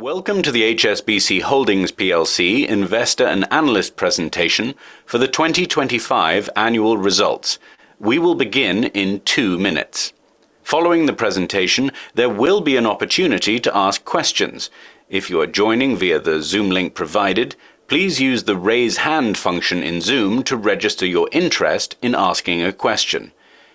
Welcome to the HSBC Holdings PLC Investor and Analyst Presentation for the 2025 annual results. We will begin in 2 minutes. Following the presentation, there will be an opportunity to ask questions. If you are joining via the Zoom link provided, please use the Raise Hand function in Zoom to register your interest in asking a question.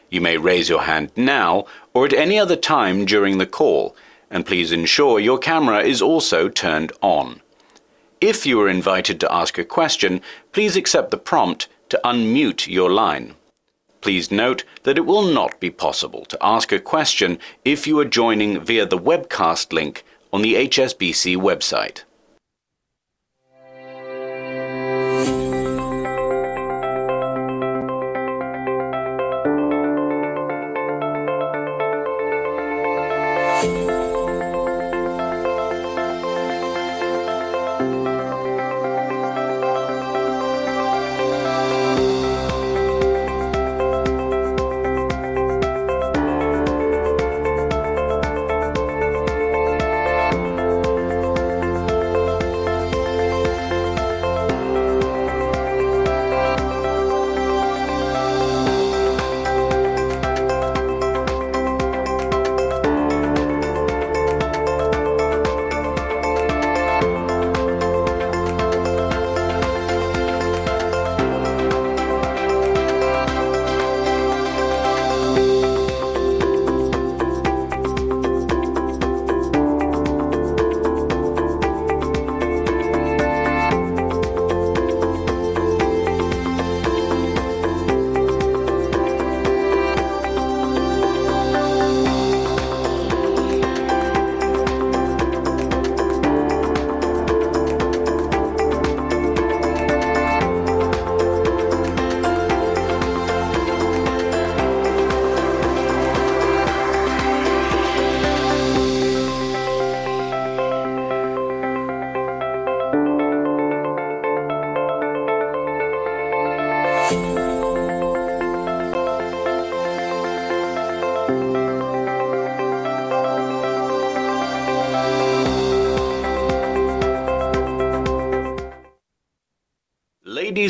You may raise your hand now or at any other time during the call, and please ensure your camera is also turned on. If you are invited to ask a question, please accept the prompt to unmute your line. Please note that it will not be possible to ask a question if you are joining via the webcast link on the HSBC website.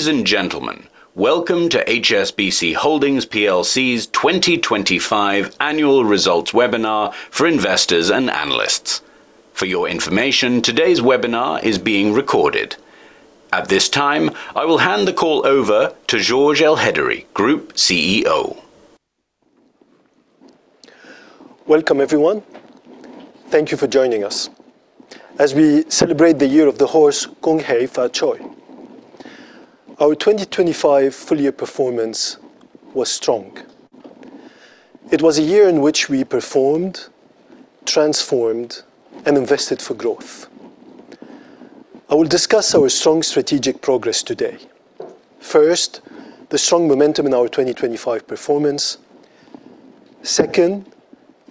Ladies and gentlemen, welcome to HSBC Holdings PLC's 2025 annual results webinar for investors and analysts. For your information, today's webinar is being recorded. At this time, I will hand the call over to Georges Elhedery, Group CEO. Welcome, everyone. Thank you for joining us. As we celebrate the Year of the Horse, Gong Hei Fat Choy. Our 2025 full-year performance was strong. It was a year in which we performed, transformed, and invested for growth. I will discuss our strong strategic progress today. First, the strong momentum in our 2025 performance. Second,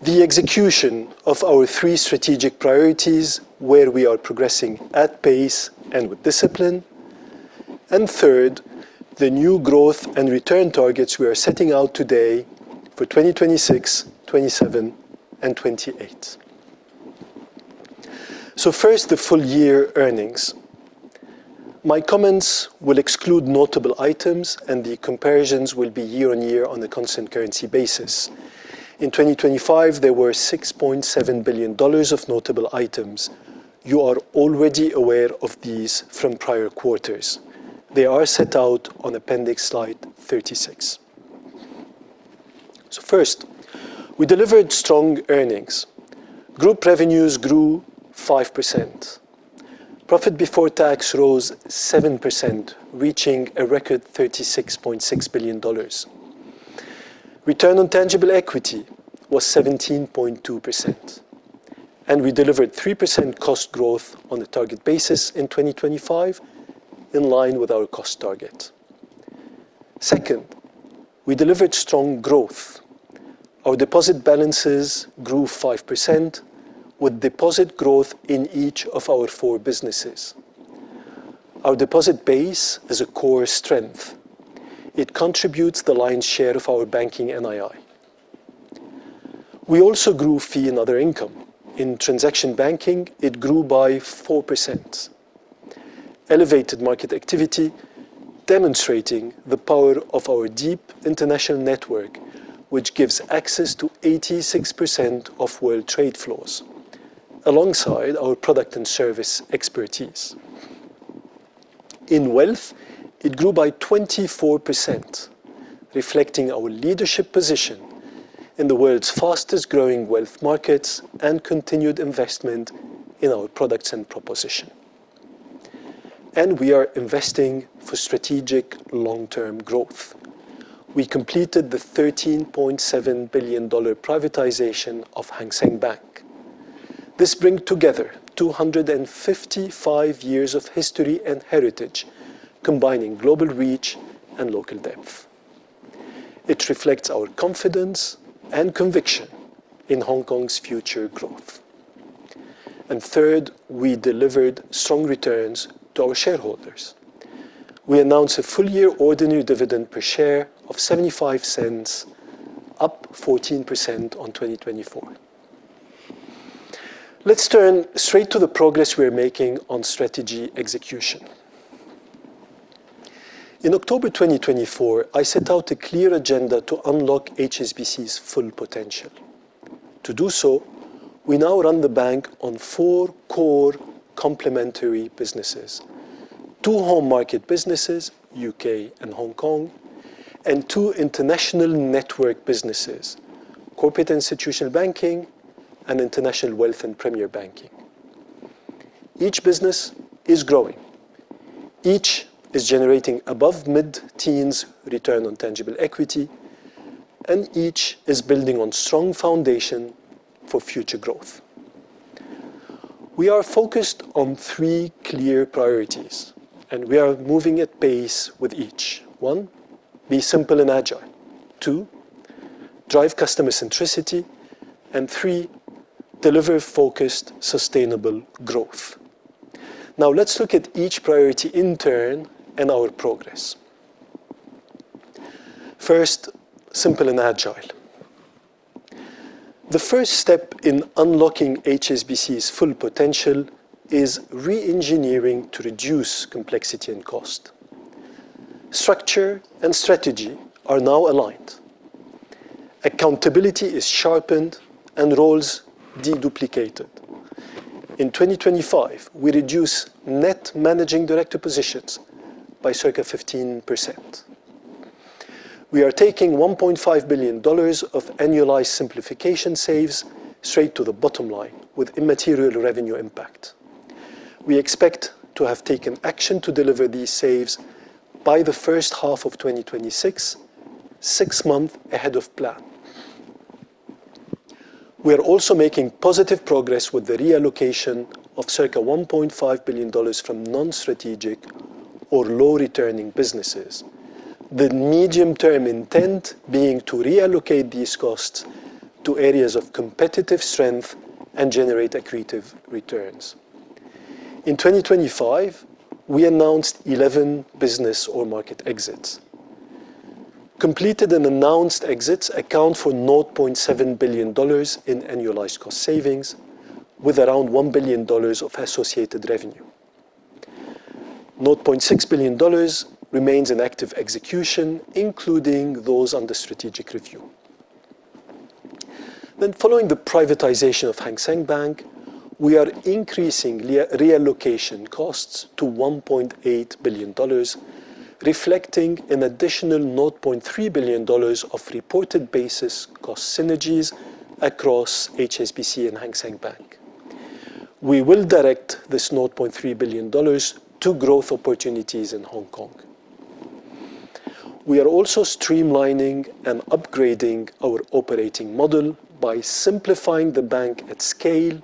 the execution of our 3 strategic priorities, where we are progressing at pace and with discipline. Third, the new growth and return targets we are setting out today for 2026, 2027, and 2028. First, the full-year earnings. My comments will exclude notable items, and the comparisons will be year-on-year on a constant currency basis. In 2025, there were $6.7 billion of notable items. You are already aware of these from prior quarters. They are set out on appendix slide 36. First, we delivered strong earnings. Group revenues grew 5%. Profit before tax rose 7%, reaching a record $36.6 billion. Return on tangible equity was 17.2%, and we delivered 3% cost growth on a target basis in 2025, in line with our cost target. Second, we delivered strong growth. Our deposit balances grew 5%, with deposit growth in each of our four businesses. Our deposit base is a core strength. It contributes the lion's share of our Banking NII. We also grew fee and other income. In transaction banking, it grew by 4%. Elevated market activity, demonstrating the power of our deep international network, which gives access to 86% of world trade flows, alongside our product and service expertise. In wealth, it grew by 24%, reflecting our leadership position in the world's fastest-growing wealth markets and continued investment in our products and proposition. We are investing for strategic long-term growth. We completed the $13.7 billion privatization of Hang Seng Bank. This bring together 255 years of history and heritage, combining global reach and local depth. It reflects our confidence and conviction in Hong Kong's future growth. Third, we delivered strong returns to our shareholders. We announce a full-year ordinary dividend per share of $0.75, up 14% on 2024. Let's turn straight to the progress we are making on strategy execution. In October 2024, I set out a clear agenda to unlock HSBC's full potential. To do so, we now run the bank on 4 core complementary businesses: 2 home market businesses, U.K. and Hong Kong, and 2 international network businesses, Corporate and Institutional Banking and International Wealth and Premier Banking. Each business is growing, each is generating above mid-teens return on tangible equity, and each is building on strong foundation for future growth. We are focused on 3 clear priorities. We are moving at pace with each. 1, be simple and agile. 2, drive customer centricity. 3, deliver focused, sustainable growth. Let's look at each priority in turn and our progress. First, simple and agile. The first step in unlocking HSBC's full potential is reengineering to reduce complexity and cost. Structure and strategy are now aligned. Accountability is sharpened and roles deduplicated. In 2025, we reduce net managing director positions by circa 15%. We are taking $1.5 billion of annualized simplification saves straight to the bottom line with immaterial revenue impact. We expect to have taken action to deliver these saves by the first half of 2026, 6 months ahead of plan. We are also making positive progress with the reallocation of circa $1.5 billion from non-strategic or low-returning businesses. The medium-term intent being to reallocate these costs to areas of competitive strength and generate accretive returns. In 2025, we announced 11 business or market exits. Completed and announced exits account for $0.7 billion in annualized cost savings, with around $1 billion of associated revenue. $0.6 billion remains in active execution, including those under strategic review. Following the privatization of Hang Seng Bank, we are increasing re- reallocation costs to $1.8 billion, reflecting an additional $0.3 billion of reported basis cost synergies across HSBC and Hang Seng Bank. We will direct this $0.3 billion to growth opportunities in Hong Kong. We are also streamlining and upgrading our operating model by simplifying the bank at scale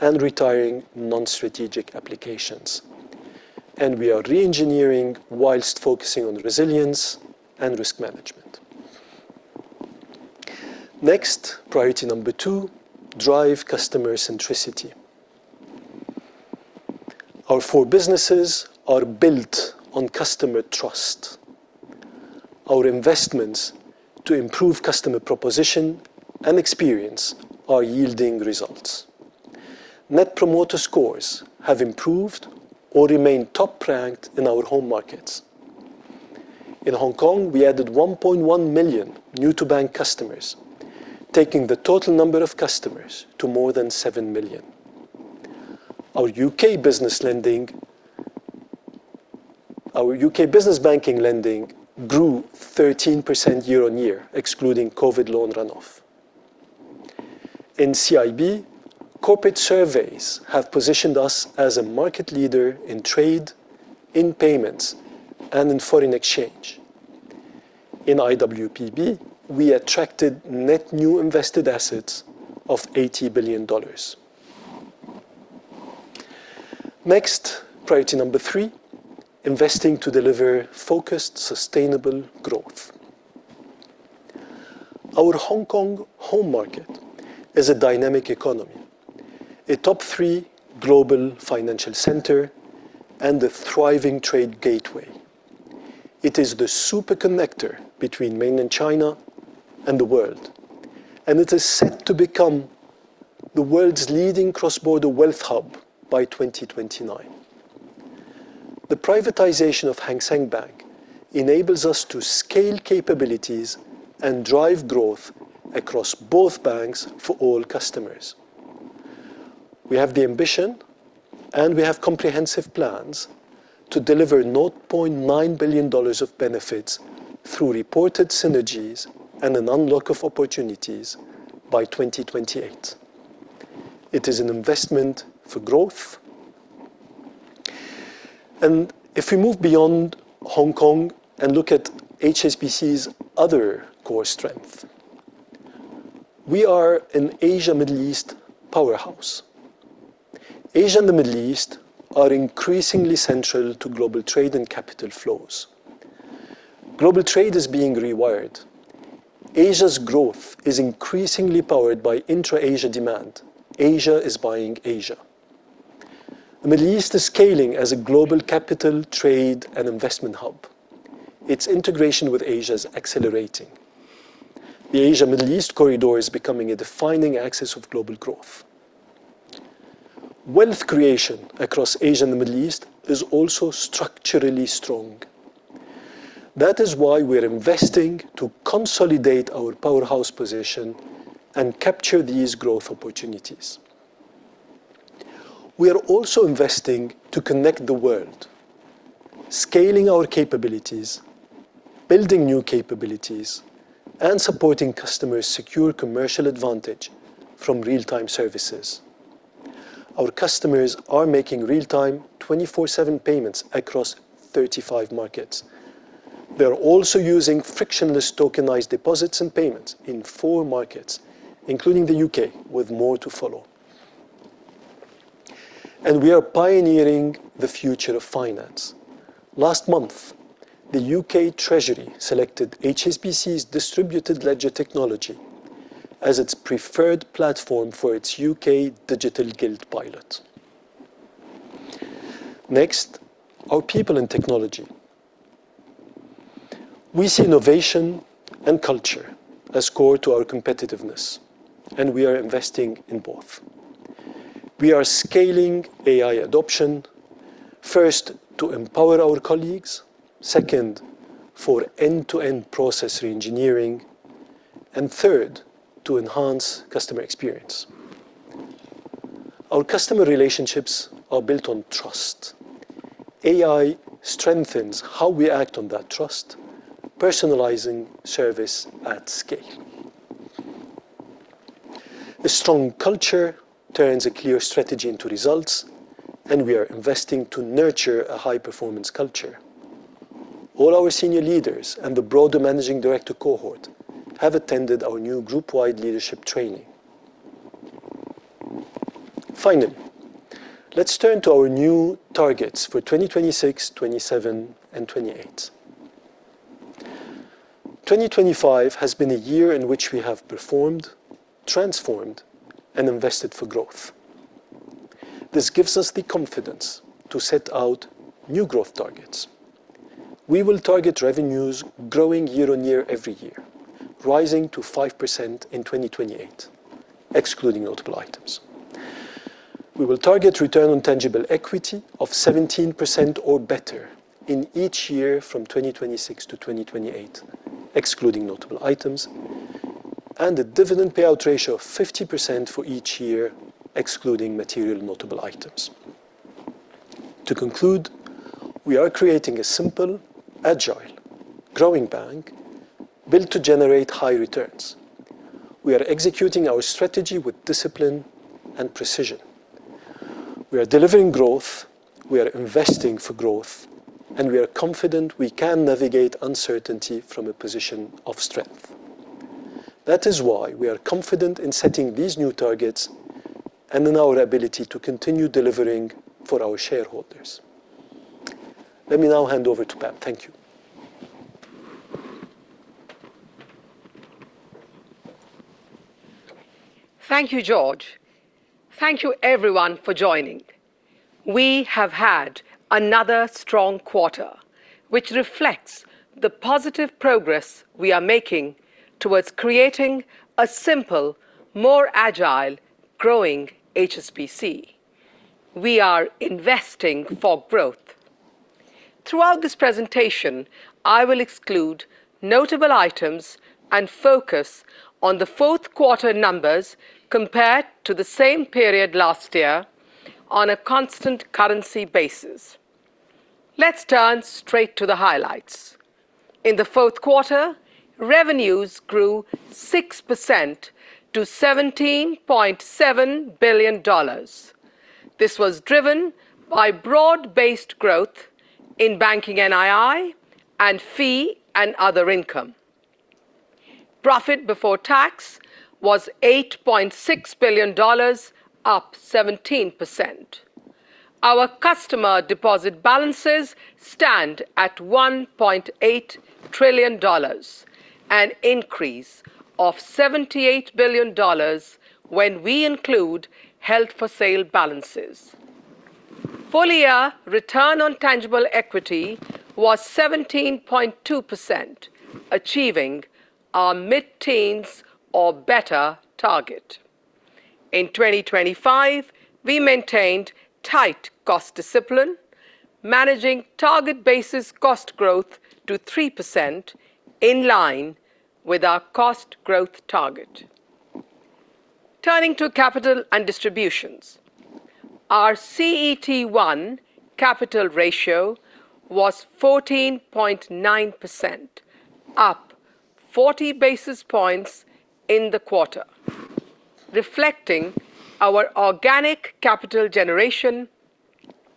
and retiring non-strategic applications, and we are reengineering while focusing on resilience and risk management. Priority number 2: drive customer centricity. Our 4 businesses are built on customer trust. Our investments to improve customer proposition and experience are yielding results. Net Promoter Scores have improved or remained top-ranked in our home markets. In Hong Kong, we added 1.1 million new-to-bank customers, taking the total number of customers to more than 7 million. Our UK business banking lending grew 13% year on year, excluding COVID loan run-off. In CIB, corporate surveys have positioned us as a market leader in trade, in payments, and in foreign exchange. In IWPB, we attracted net new invested assets of $80 billion. Priority number 3: investing to deliver focused, sustainable growth. Our Hong Kong home market is a dynamic economy, a top 3 global financial center, and a thriving trade gateway. It is the super connector between mainland China and the world, it is set to become the world's leading cross-border wealth hub by 2029. The privatization of Hang Seng Bank enables us to scale capabilities and drive growth across both banks for all customers. We have the ambition, we have comprehensive plans to deliver $0.9 billion of benefits through reported synergies and an unlock of opportunities by 2028. It is an investment for growth. If we move beyond Hong Kong and look at HSBC's other core strength, we are an Asia, Middle East powerhouse. Asia and the Middle East are increasingly central to global trade and capital flows. Global trade is being rewired. Asia's growth is increasingly powered by intra-Asia demand. Asia is buying Asia. The Middle East is scaling as a global capital, trade, and investment hub. Its integration with Asia is accelerating. The Asia-Middle East corridor is becoming a defining axis of global growth. Wealth creation across Asia and the Middle East is also structurally strong. That is why we're investing to consolidate our powerhouse position and capture these growth opportunities. We are also investing to connect the world, scaling our capabilities, building new capabilities, and supporting customers secure commercial advantage from real-time services. Our customers are making real-time, 24/7 payments across 35 markets. They're also using frictionless Tokenized Deposits and payments in 4 markets, including the U.K., with more to follow. We are pioneering the future of finance. Last month, the U.K. Treasury selected HSBC's Distributed Ledger Technology as its preferred platform for its U.K. Digital Gilt Pilot. Next, our people and technology. We see innovation and culture as core to our competitiveness, and we are investing in both. We are scaling AI adoption, first, to empower our colleagues, second, for end-to-end process reengineering, and third, to enhance customer experience. Our customer relationships are built on trust. AI strengthens how we act on that trust, personalizing service at scale. A strong culture turns a clear strategy into results, and we are investing to nurture a high-performance culture. All our senior leaders and the broader managing director cohort have attended our new group-wide leadership training. Finally, let's turn to our new targets for 2026, 2027, and 2028. 2025 has been a year in which we have performed, transformed, and invested for growth. This gives us the confidence to set out new growth targets. We will target revenues growing year on year every year, rising to 5% in 2028, excluding notable items. We will target Return on Tangible Equity of 17% or better in each year from 2026 to 2028, excluding notable items, and a dividend payout ratio of 50% for each year, excluding material notable items. To conclude, we are creating a simple, agile, growing bank built to generate high returns. We are executing our strategy with discipline and precision. We are delivering growth, we are investing for growth, we are confident we can navigate uncertainty from a position of strength. That is why we are confident in setting these new targets and in our ability to continue delivering for our shareholders. Let me now hand over to Pam. Thank you. Thank you, George. Thank you everyone for joining. We have had another strong quarter, which reflects the positive progress we are making towards creating a simple, more agile, growing HSBC. We are investing for growth. Throughout this presentation, I will exclude notable items and focus on the Q4 numbers compared to the same period last year on a constant currency basis. Let's turn straight to the highlights. In the Q4, revenues grew 6% to $17.7 billion. This was driven by broad-based growth in Banking NII and fee and other income. Profit before tax was $8.6 billion, up 17%. Our customer deposit balances stand at $1.8 trillion, an increase of $78 billion when we include held for sale balances. Full-year Return on Tangible Equity was 17.2%, achieving our mid-teens or better target. In 2025, we maintained tight cost discipline, managing target basis cost growth to 3%, in line with our cost growth target. Turning to capital and distributions, our CET1 capital ratio was 14.9%, up 40 basis points in the quarter, reflecting our organic capital generation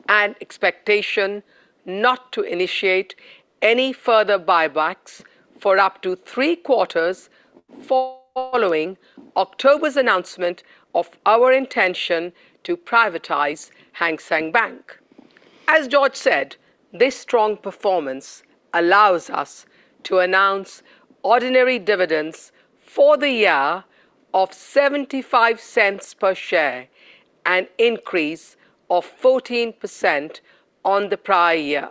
and expectation not to initiate any further buybacks for up to three quarters following October's announcement of our intention to privatize Hang Seng Bank. As George said, this strong performance allows us to announce ordinary dividends for the year of $0.75 per share, an increase of 14% on the prior year.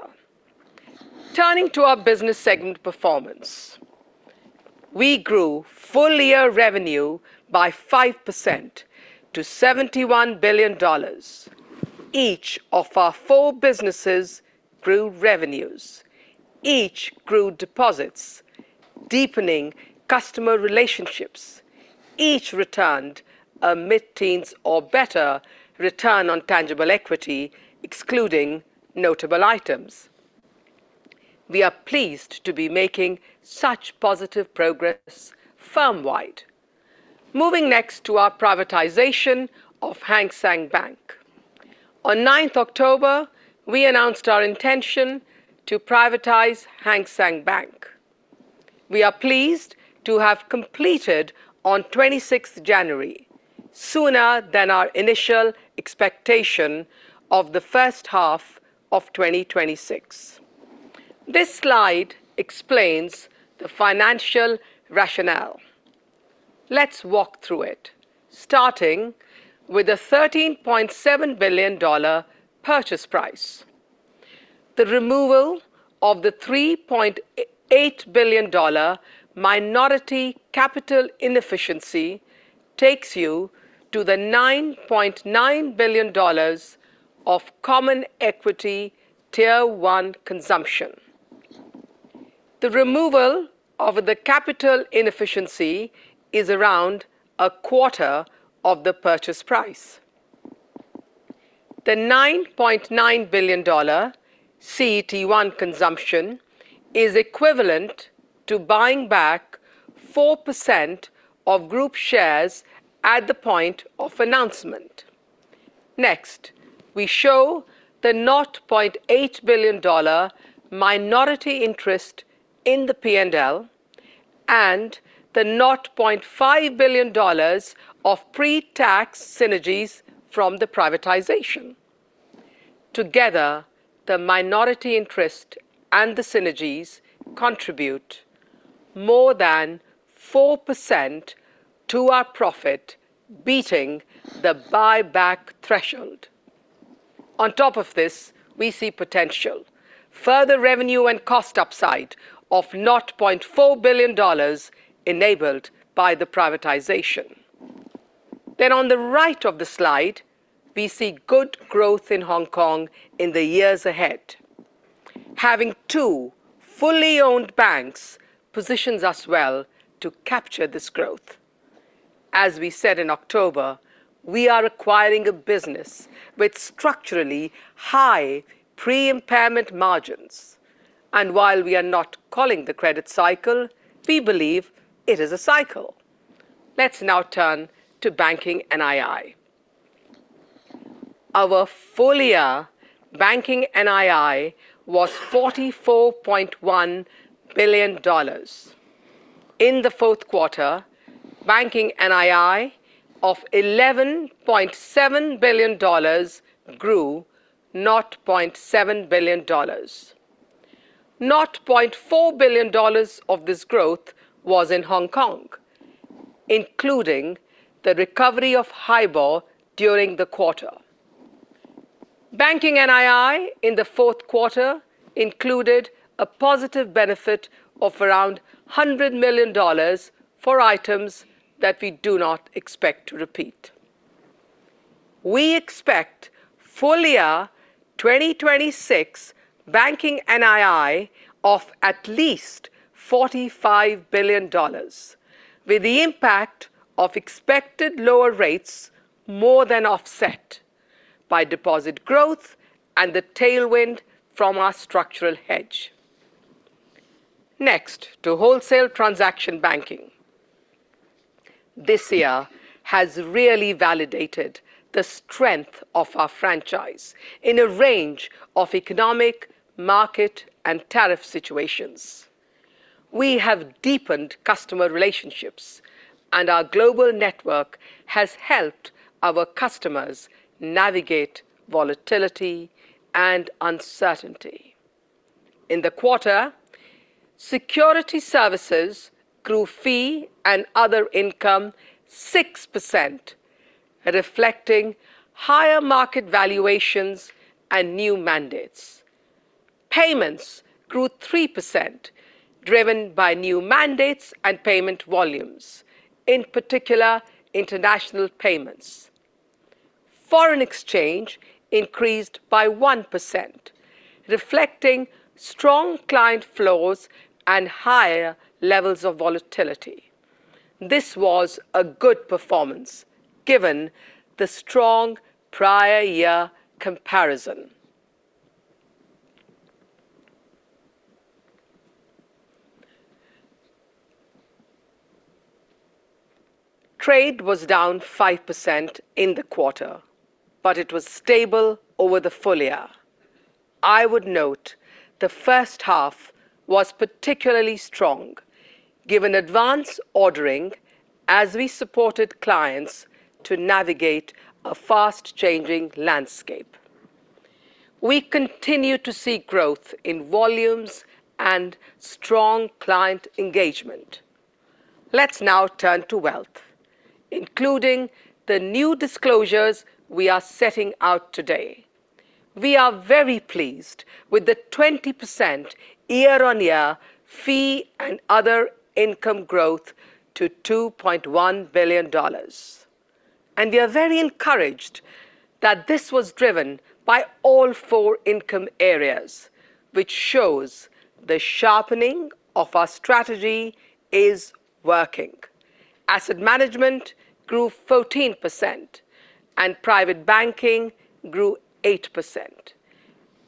Turning to our business segment performance. We grew full-year revenue by 5% to $71 billion. Each of our four businesses grew revenues. Each grew deposits, deepening customer relationships. Each returned a mid-teens or better return on tangible equity, excluding notable items. We are pleased to be making such positive progress firm-wide. Moving next to our privatization of Hang Seng Bank. On ninth October, we announced our intention to privatize Hang Seng Bank. We are pleased to have completed on 26th January, sooner than our initial expectation of the first half of 2026. This slide explains the financial rationale. Let's walk through it, starting with a $13.7 billion purchase price. The removal of the $3.8 billion minority capital inefficiency takes you to the $9.9 billion of Common Equity Tier 1 consumption. The removal of the capital inefficiency is around a quarter of the purchase price. The $9.9 billion CET1 consumption is equivalent to buying back 4% of group shares at the point of announcement. Next, we show the $0.8 billion minority interest in the P&L, and the $0.5 billion of pre-tax synergies from the privatization. Together, the minority interest and the synergies contribute more than 4% to our profit, beating the buyback threshold. On top of this, we see potential: further revenue and cost upside of $0.4 billion, enabled by the privatization. On the right of the slide, we see good growth in Hong Kong in the years ahead. Having two fully owned banks positions us well to capture this growth. As we said in October, we are acquiring a business with structurally high pre-impairment margins. While we are not calling the credit cycle, we believe it is a cycle. Let's now turn to Banking NII. Our full-year Banking NII was $44.1 billion. In the Q4, Banking NII of $11.7 billion grew $0.7 billion. $0.4 billion of this growth was in Hong Kong, including the recovery of HIBOR during the quarter. Banking NII in the Q4 included a positive benefit of around $100 million for items that we do not expect to repeat. We expect full-year 2026 Banking NII of at least $45 billion, with the impact of expected lower rates more than offset by deposit growth and the tailwind from our structural hedge. To wholesale transaction banking. This year has really validated the strength of our franchise in a range of economic, market, and tariff situations. We have deepened customer relationships, and our global network has helped our customers navigate volatility and uncertainty. In the quarter, security services grew fee and other income 6%, reflecting higher market valuations and new mandates. Payments grew 3%, driven by new mandates and payment volumes, in particular, international payments. Foreign exchange increased by 1%, reflecting strong client flows and higher levels of volatility. This was a good performance, given the strong prior year comparison. Trade was down 5% in the quarter, but it was stable over the full year. I would note the first half was particularly strong, given advance ordering as we supported clients to navigate a fast-changing landscape. We continue to see growth in volumes and strong client engagement. Let's now turn to wealth, including the new disclosures we are setting out today. We are very pleased with the 20% year-on-year fee and other income growth to $2.1 billion. We are very encouraged that this was driven by all four income areas, which shows the sharpening of our strategy is working. Asset management grew 14%, and private banking grew 8%.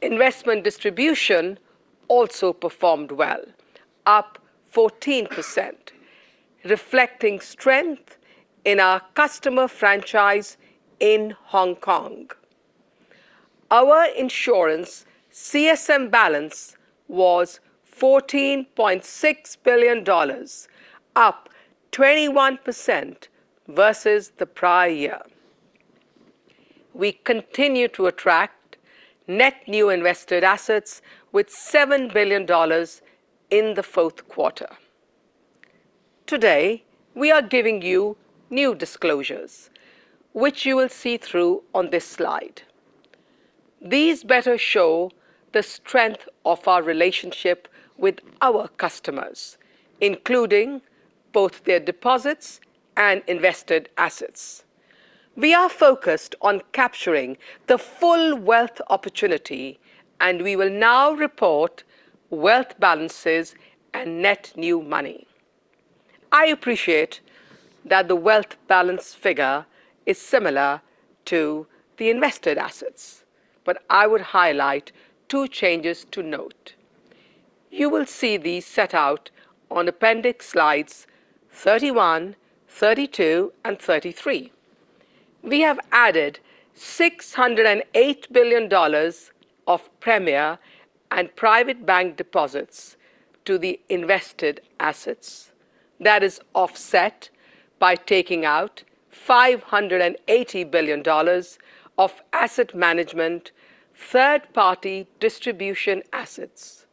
Investment distribution also performed well, up 14%, reflecting strength in our customer franchise in Hong Kong. Our insurance CSM balance was $14.6 billion, up 21% versus the prior year. We continue to attract net new invested assets with $7 billion in the Q4. Today, we are giving you new disclosures, which you will see through on this slide. These better show the strength of our relationship with our customers, including both their deposits and invested assets. We are focused on capturing the full wealth opportunity, and we will now report wealth balances and net new money. I appreciate that the wealth balance figure is similar to the invested assets, but I would highlight two changes to note. You will see these set out on appendix slides 31, 32, and 33. We have added $608 billion of premier and private bank deposits to the invested assets. That is offset by taking out $580 billion of asset management, third-party distribution assets.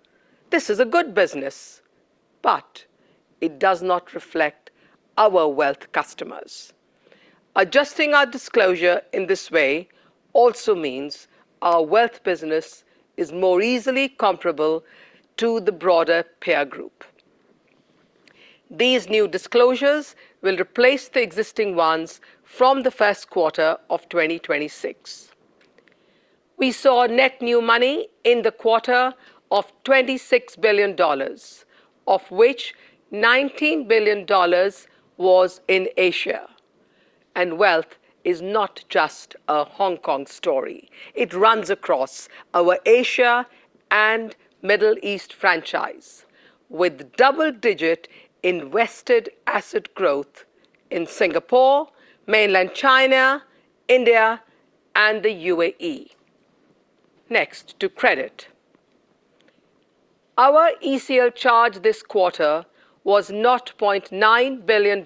This is a good business, but it does not reflect our wealth customers. Adjusting our disclosure in this way also means our wealth business is more easily comparable to the broader peer group. These new disclosures will replace the existing ones from the Q1 of 2026. We saw net new money in the quarter of $26 billion, of which $19 billion was in Asia. Wealth is not just a Hong Kong story. It runs across our Asia and Middle East franchise, with double-digit invested asset growth in Singapore, Mainland China, India, and the UAE. To credit. Our ECL charge this quarter was $0.9 billion.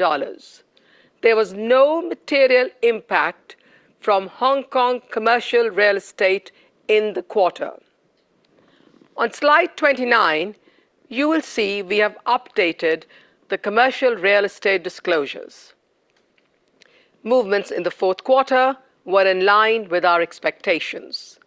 There was no material impact from Hong Kong commercial real estate in the quarter. On slide 29, you will see we have updated the commercial real estate disclosures. Movements in the Q4 were in line with our expectations.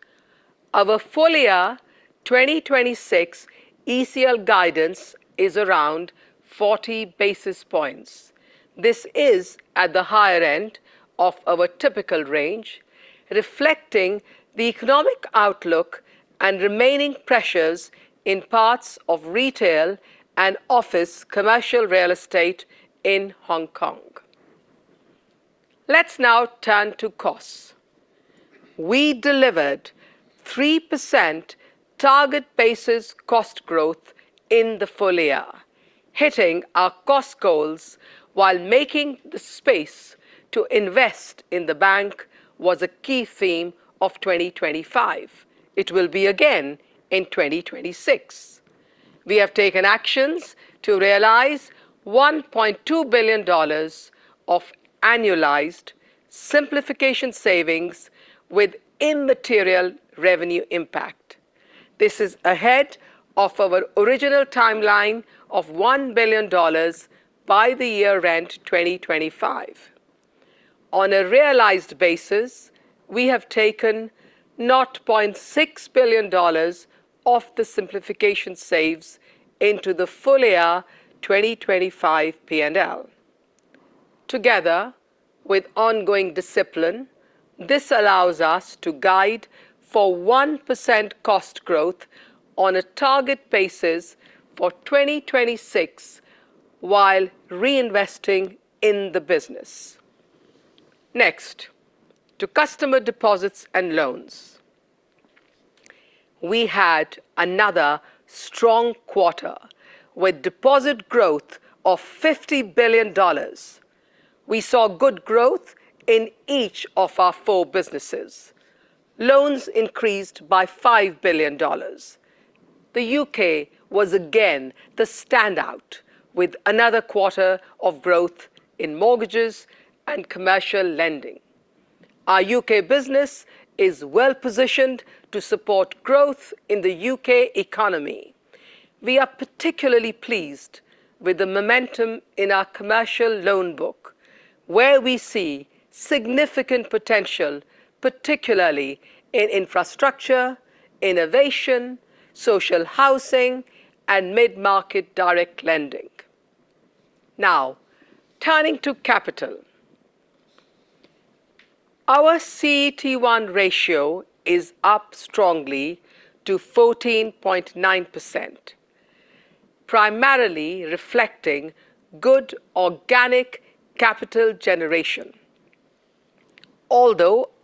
Our full year 2026 ECL guidance is around 40 basis points. This is at the higher end of our typical range, reflecting the economic outlook and remaining pressures in parts of retail and office commercial real estate in Hong Kong. Let's now turn to costs. We delivered 3% target basis cost growth in the full year. Hitting our cost goals while making the space to invest in the bank was a key theme of 2025. It will be again in 2026. We have taken actions to realize $1.2 billion of annualized simplification savings with immaterial revenue impact. This is ahead of our original timeline of $1 billion by the year end, 2025. On a realized basis, we have taken $0.6 billion of the simplification saves into the full year 2025 P&L. Together, with ongoing discipline, this allows us to guide for 1% cost growth on a target basis for 2026 while reinvesting in the business. We had another strong quarter with deposit growth of $50 billion. We saw good growth in each of our four businesses. Loans increased by $5 billion. The U.K. was again the standout, with another quarter of growth in mortgages and commercial lending. Our U.K. business is well-positioned to support growth in the U.K. economy. We are particularly pleased with the momentum in our commercial loan book, where we see significant potential, particularly in infrastructure, innovation, social housing, and mid-market direct lending. Turning to capital. Our CET1 ratio is up strongly to 14.9%, primarily reflecting good organic capital generation.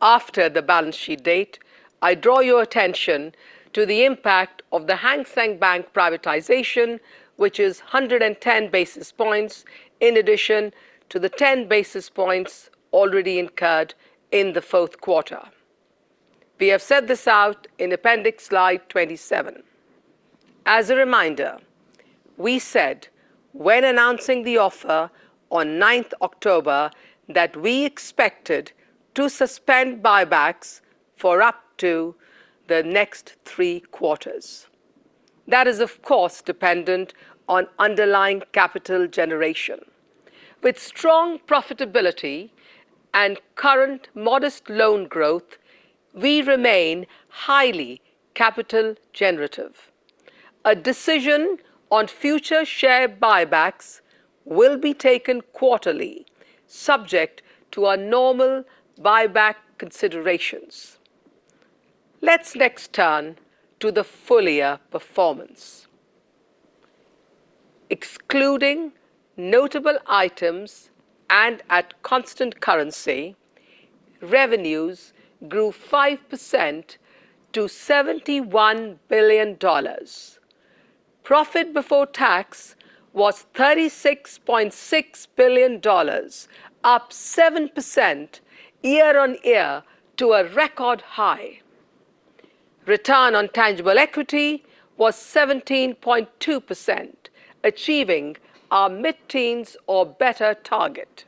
After the balance sheet date, I draw your attention to the impact of the Hang Seng Bank privatization, which is 110 basis points, in addition to the 10 basis points already incurred in the Q4. We have set this out in appendix slide 27. As a reminder, we said when announcing the offer on 9th October, that we expected to suspend buybacks for up to the next 3 quarters. That is, of course, dependent on underlying capital generation. With strong profitability and current modest loan growth, we remain highly capital generative. A decision on future share buybacks will be taken quarterly, subject to our normal buyback considerations. Let's next turn to the full-year performance. Excluding notable items at constant currency, revenues grew 5% to $71 billion. Profit before tax was $36.6 billion, up 7% year-on-year to a record high. Return on tangible equity was 17.2%, achieving our mid-teens or better target.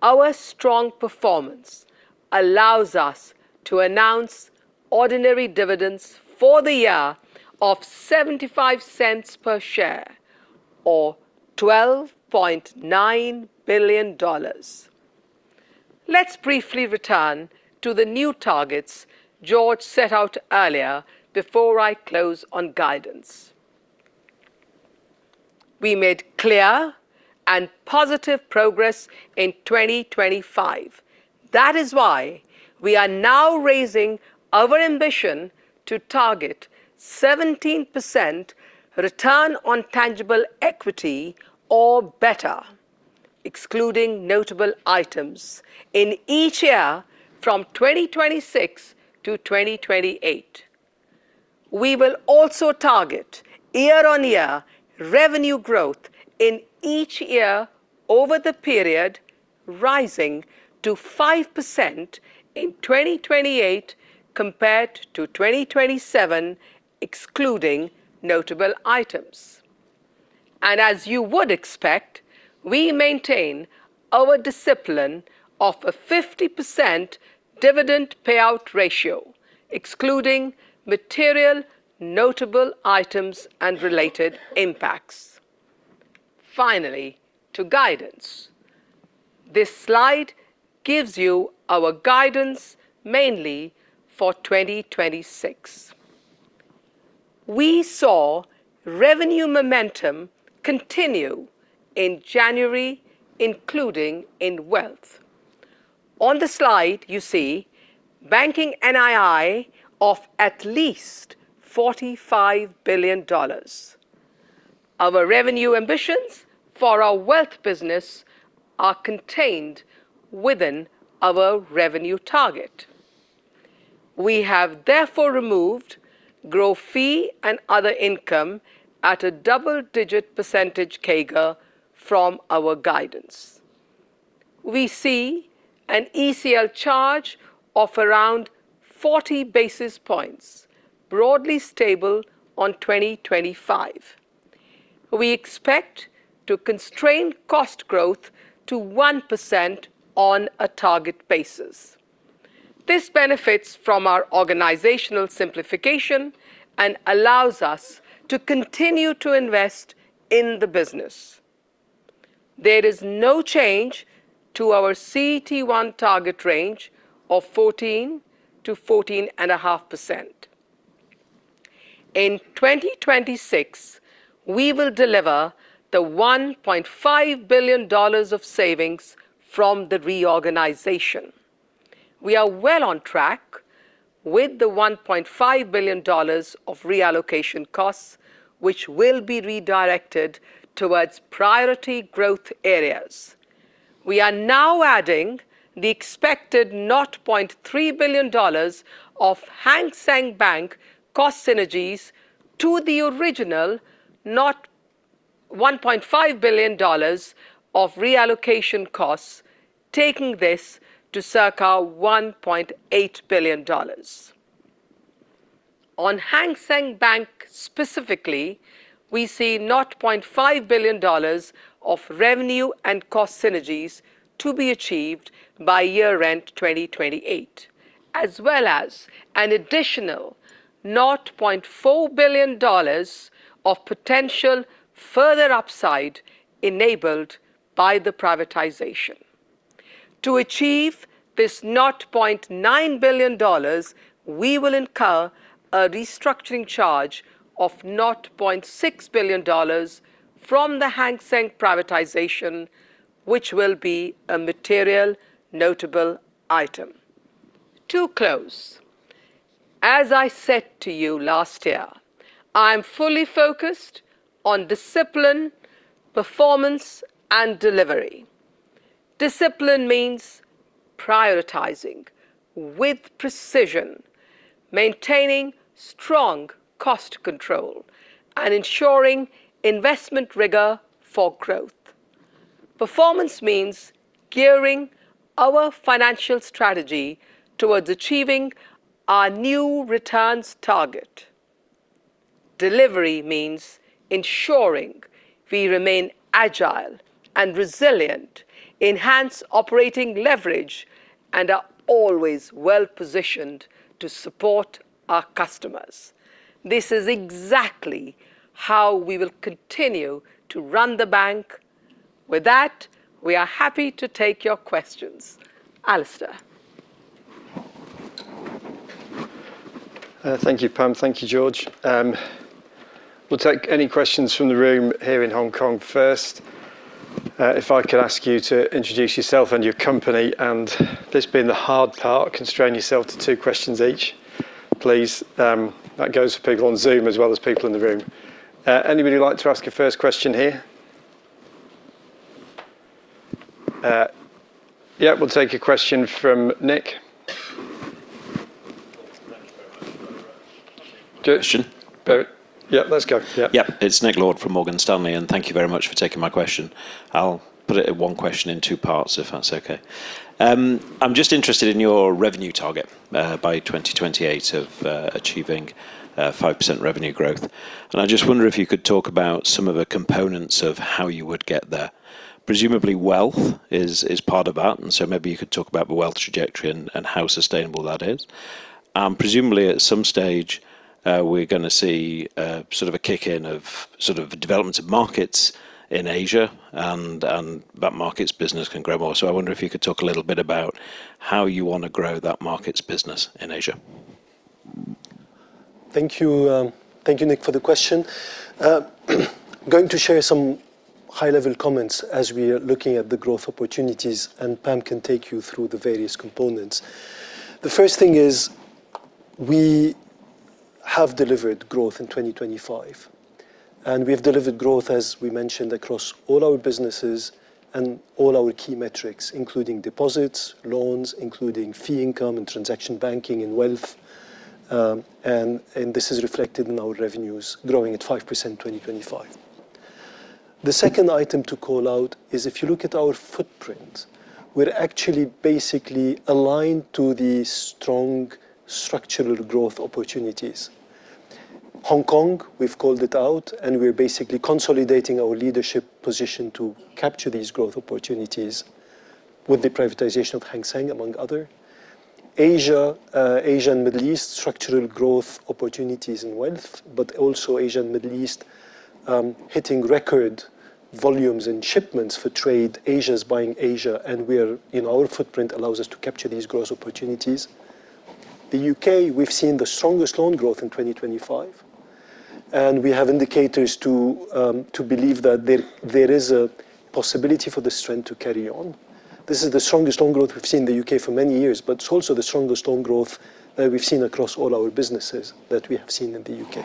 Our strong performance allows us to announce ordinary dividends for the year of $0.75 per share or $12.9 billion. Let's briefly return to the new targets George set out earlier before I close on guidance. We made clear and positive progress in 2025. That is why we are now raising our ambition to target 17% Return on Tangible Equity or better, excluding notable items in each year from 2026 to 2028. We will also target year-on-year revenue growth in each year over the period, rising to 5% in 2028 compared to 2027, excluding notable items. As you would expect, we maintain our discipline of a 50% dividend payout ratio, excluding material, notable items, and related impacts. Finally, to guidance. This slide gives you our guidance mainly for 2026. We saw revenue momentum continue in January, including in Wealth. On the slide, you see Banking NII of at least $45 billion. Our revenue ambitions for our wealth business are contained within our revenue target. We have therefore removed grow fee and other income at a double-digit percentage CAGR from our guidance. We see an ECL charge of around 40 basis points, broadly stable on 2025. We expect to constrain cost growth to 1% on a target basis. This benefits from our organizational simplification and allows us to continue to invest in the business. There is no change to our CET1 target range of 14 to 14.5%. In 2026, we will deliver the $1.5 billion of savings from the reorganization. We are well on track with the $1.5 billion of reallocation costs, which will be redirected towards priority growth areas.... We are now adding the expected $0.3 billion of Hang Seng Bank cost synergies to the original $1.5 billion of reallocation costs, taking this to circa $1.8 billion. On Hang Seng Bank specifically, we see $0.5 billion of revenue and cost synergies to be achieved by year end 2028, as well as an additional $0.4 billion of potential further upside enabled by the privatization. To achieve this $0.9 billion, we will incur a restructuring charge of $0.6 billion from the Hang Seng privatization, which will be a material notable item. To close, as I said to you last year, I'm fully focused on discipline, performance, and delivery. Discipline means prioritizing with precision, maintaining strong cost control, and ensuring investment rigor for growth. Performance means gearing our financial strategy towards achieving our new returns target. Delivery means ensuring we remain agile and resilient, enhance operating leverage, and are always well-positioned to support our customers. This is exactly how we will continue to run the bank. With that, we are happy to take your questions. Alistair? Thank you, Pam. Thank you, George. We'll take any questions from the room here in Hong Kong first. If I could ask you to introduce yourself and your company, this being the hard part, constrain yourself to two questions each, please. That goes for people on Zoom as well as people in the room. Anybody who'd like to ask a first question here? Yeah, we'll take a question from Nick. Thank you very much for- Go ahead. Yeah, let's go. Yeah. Yeah. It's Nick Lord from Morgan Stanley, and thank you very much for taking my question. I'll put it in one question in two parts, if that's okay. I'm just interested in your revenue target, by 2028 of achieving 5% revenue growth. I just wonder if you could talk about some of the components of how you would get there. Presumably, wealth is part of that, and so maybe you could talk about the wealth trajectory and how sustainable that is. Presumably, at some stage, we're gonna see sort of a kick in of development of markets in Asia and that markets business can grow more. I wonder if you could talk a little bit about how you wanna grow that markets business in Asia. Thank you. Thank you, Nick, for the question. Going to share some high-level comments as we are looking at the growth opportunities, and Pam can take you through the various components. The first thing is we have delivered growth in 2025, and we've delivered growth, as we mentioned, across all our businesses and all our key metrics, including deposits, loans, including fee income, and transaction banking, and wealth. This is reflected in our revenues growing at 5% in 2025. The second item to call out is if you look at our footprint, we're actually basically aligned to the strong structural growth opportunities. Hong Kong, we've called it out, and we're basically consolidating our leadership position to capture these growth opportunities with the privatization of Hang Seng, among other. Asia and Middle East, structural growth opportunities and wealth, also Asia and Middle East, hitting record volumes and shipments for trade. Asia is buying Asia, our footprint allows us to capture these growth opportunities. The U.K., we've seen the strongest loan growth in 2025, we have indicators to believe that there is a possibility for this trend to carry on. This is the strongest loan growth we've seen in the U.K. for many years, it's also the strongest loan growth that we've seen across all our businesses that we have seen in the U.K.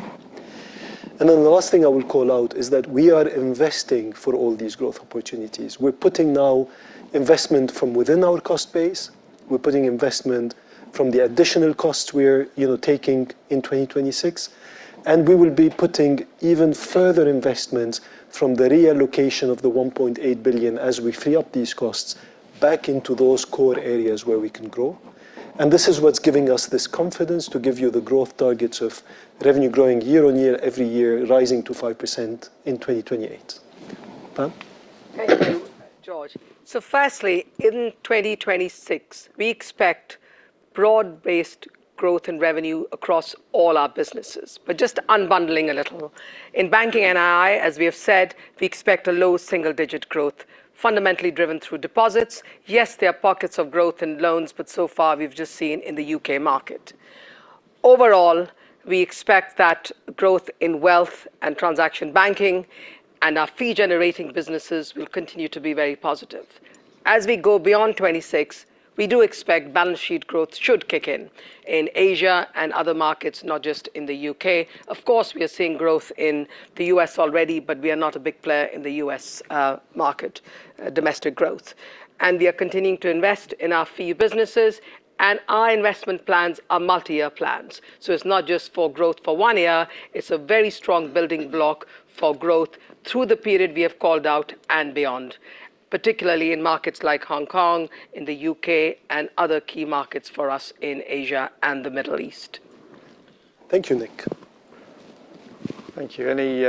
The last thing I will call out is that we are investing for all these growth opportunities. We're putting now investment from within our cost base, we're putting investment from the additional costs we're, you know, taking in 2026. We will be putting even further investments from the reallocation of the $1.8 billion as we free up these costs back into those core areas where we can grow. This is what's giving us this confidence to give you the growth targets of revenue growing year-on-year, every year, rising to 5% in 2028. Pam? Thank you, George. Firstly, in 2026, we expect broad-based growth in revenue across all our businesses, but just unbundling a little. In Banking NII, as we have said, we expect a low single-digit growth, fundamentally driven through deposits. Yes, there are pockets of growth in loans, but so far we've just seen in the UK market.... overall, we expect that growth in wealth and transaction banking and our fee-generating businesses will continue to be very positive. As we go beyond 26, we do expect balance sheet growth should kick in in Asia and other markets, not just in the UK. Of course, we are seeing growth in the US already, but we are not a big player in the US market domestic growth. We are continuing to invest in our fee businesses, and our investment plans are multi-year plans. It's not just for growth for 1 year, it's a very strong building block for growth through the period we have called out and beyond, particularly in markets like Hong Kong, in the UK, and other key markets for us in Asia and the Middle East. Thank you, Nick. Thank you. Any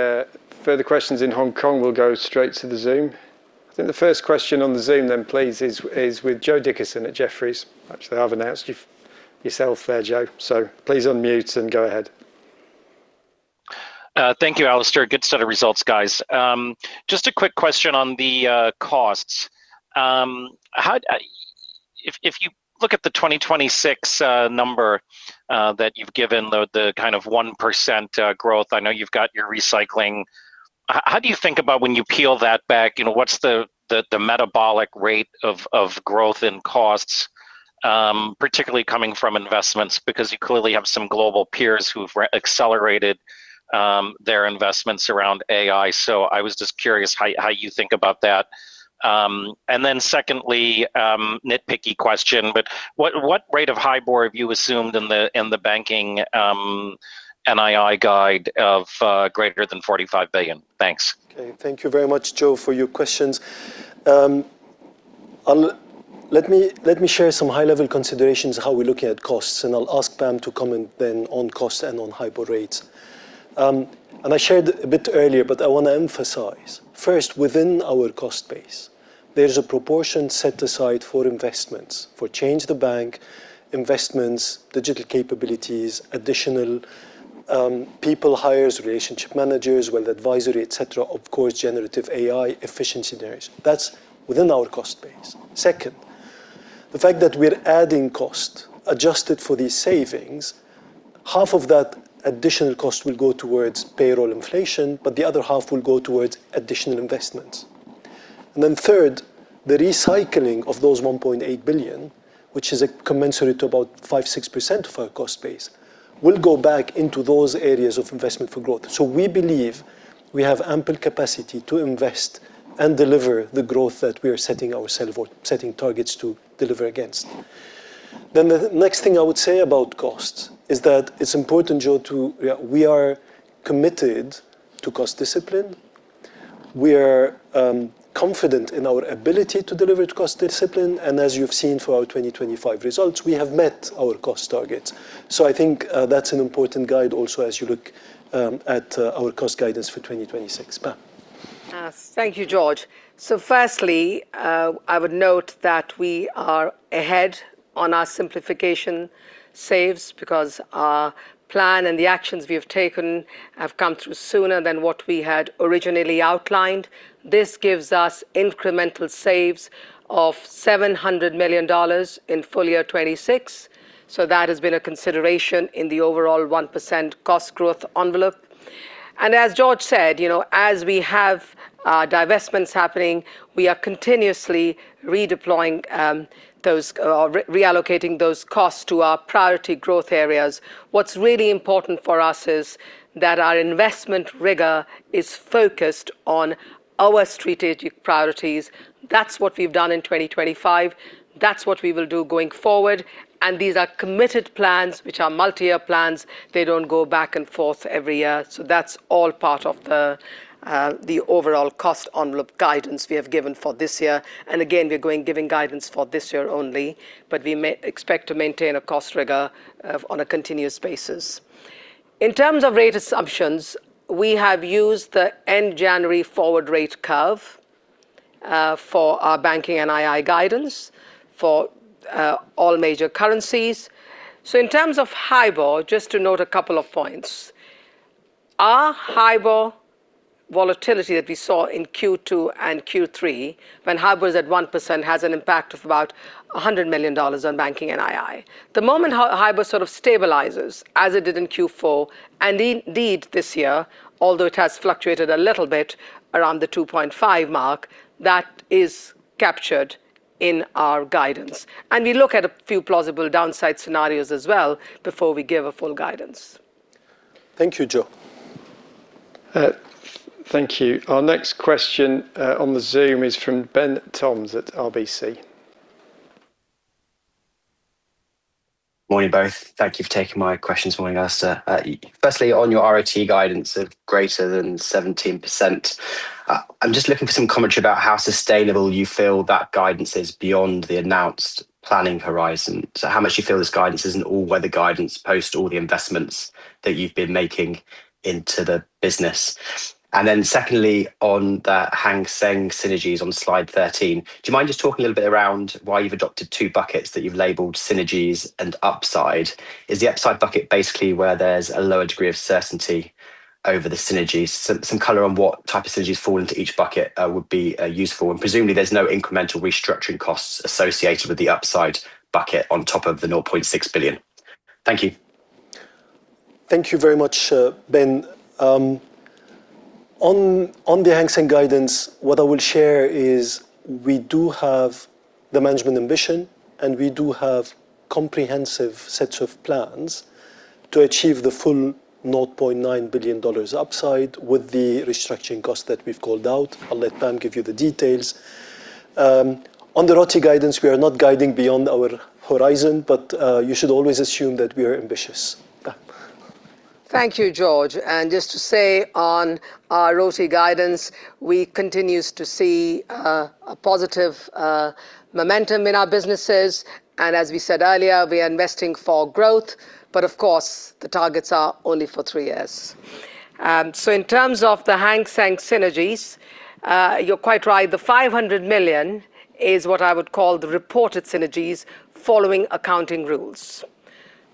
further questions in Hong Kong? We'll go straight to the Zoom. I think the first question on the Zoom then, please, is with Joseph Dickerson at Jefferies. Actually, I've announced yourself there, Joe, so please unmute and go ahead. Thank you, Alistair. Good set of results, guys. Just a quick question on the costs. If you look at the 2026 number that you've given, the kind of 1% growth, I know you've got your recycling. How do you think about when you peel that back? You know, what's the metabolic rate of growth in costs, particularly coming from investments? You clearly have some global peers who've accelerated their investments around AI. I was just curious how you think about that. Secondly, nitpicky question, what rate of HIBOR have you assumed in the banking NII guide of greater than $45 billion? Thanks. Okay. Thank you very much, Joe, for your questions. Let me share some high-level considerations, how we're looking at costs, and I'll ask Pam to comment then on costs and on HIBOR rates. I shared a bit earlier, but I want to emphasize. First, within our cost base, there is a proportion set aside for investments, for Change the Bank investments, digital capabilities, additional people hires, relationship managers, wealth advisory, et cetera, of course, generative AI, efficiency generation. That's within our cost base. Second, the fact that we're adding cost adjusted for these savings, half of that additional cost will go towards payroll inflation, but the other half will go towards additional investments. Then third, the recycling of those $1.8 billion, which is a commensurate to about 5 to 6% of our cost base, will go back into those areas of investment for growth. We believe we have ample capacity to invest and deliver the growth that we are setting targets to deliver against. The next thing I would say about costs is that it's important, Joe. We are committed to cost discipline. We are confident in our ability to deliver cost discipline, and as you've seen for our 2025 results, we have met our cost targets. I think that's an important guide also, as you look at our cost guidance for 2026. Pam? Thank you, George. Firstly, I would note that we are ahead on our simplification saves because our plan and the actions we have taken have come through sooner than what we had originally outlined. This gives us incremental saves of $700 million in full year 2026. That has been a consideration in the overall 1% cost growth envelope. As George said, you know, as we have divestments happening, we are continuously redeploying those, or reallocating those costs to our priority growth areas. What's really important for us is that our investment rigor is focused on our strategic priorities. That's what we've done in 2025. That's what we will do going forward. These are committed plans, which are multi-year plans. They don't go back and forth every year. That's all part of the overall cost envelope guidance we have given for this year. Again, we're giving guidance for this year only, but we may expect to maintain a cost rigor on a continuous basis. In terms of rate assumptions, we have used the end January forward rate curve for our Banking NII guidance for all major currencies. In terms of HIBOR, just to note a couple of points. Our HIBOR volatility that we saw in Q2 and Q3, when HIBOR was at 1%, has an impact of about $100 million on Banking NII. The moment HIBOR sort of stabilizes, as it did in Q4, indeed this year, although it has fluctuated a little bit around the 2.5 mark, that is captured in our guidance, and we look at a few plausible downside scenarios as well before we give a full guidance. Thank you, Joe. thank you. Our next question on the Zoom is from Benjamin Toms at RBC. Morning, both. Thank you for taking my questions. Morning, Alistair. Firstly, on your RoTE guidance of greater than 17%, I'm just looking for some commentary about how sustainable you feel that guidance is beyond the announced planning horizon. How much do you feel this guidance is an all-weather guidance post all the investments that you've been making into the business? Secondly, on the Hang Seng synergies on slide 13, do you mind just talking a little bit around why you've adopted two buckets that you've labeled synergies and upside? Is the upside bucket basically where there's a lower degree of certainty over the synergies? Some color on what type of synergies fall into each bucket would be useful, and presumably there's no incremental restructuring costs associated with the upside bucket on top of the $0.6 billion. Thank you. Thank you very much, Ben. On the Hang Seng guidance, what I will share is we do have the management ambition, and we do have comprehensive sets of plans to achieve the full $0.9 billion upside with the restructuring costs that we've called out. I'll let Pam give you the details. On the RoTE guidance, we are not guiding beyond our horizon, but you should always assume that we are ambitious. Pam? Thank you, George. Just to say on our RoTE guidance, we continues to see a positive momentum in our businesses, and as we said earlier, we are investing for growth. Of course, the targets are only for three years. In terms of the Hang Seng synergies, you're quite right, the $500 million is what I would call the reported synergies following accounting rules.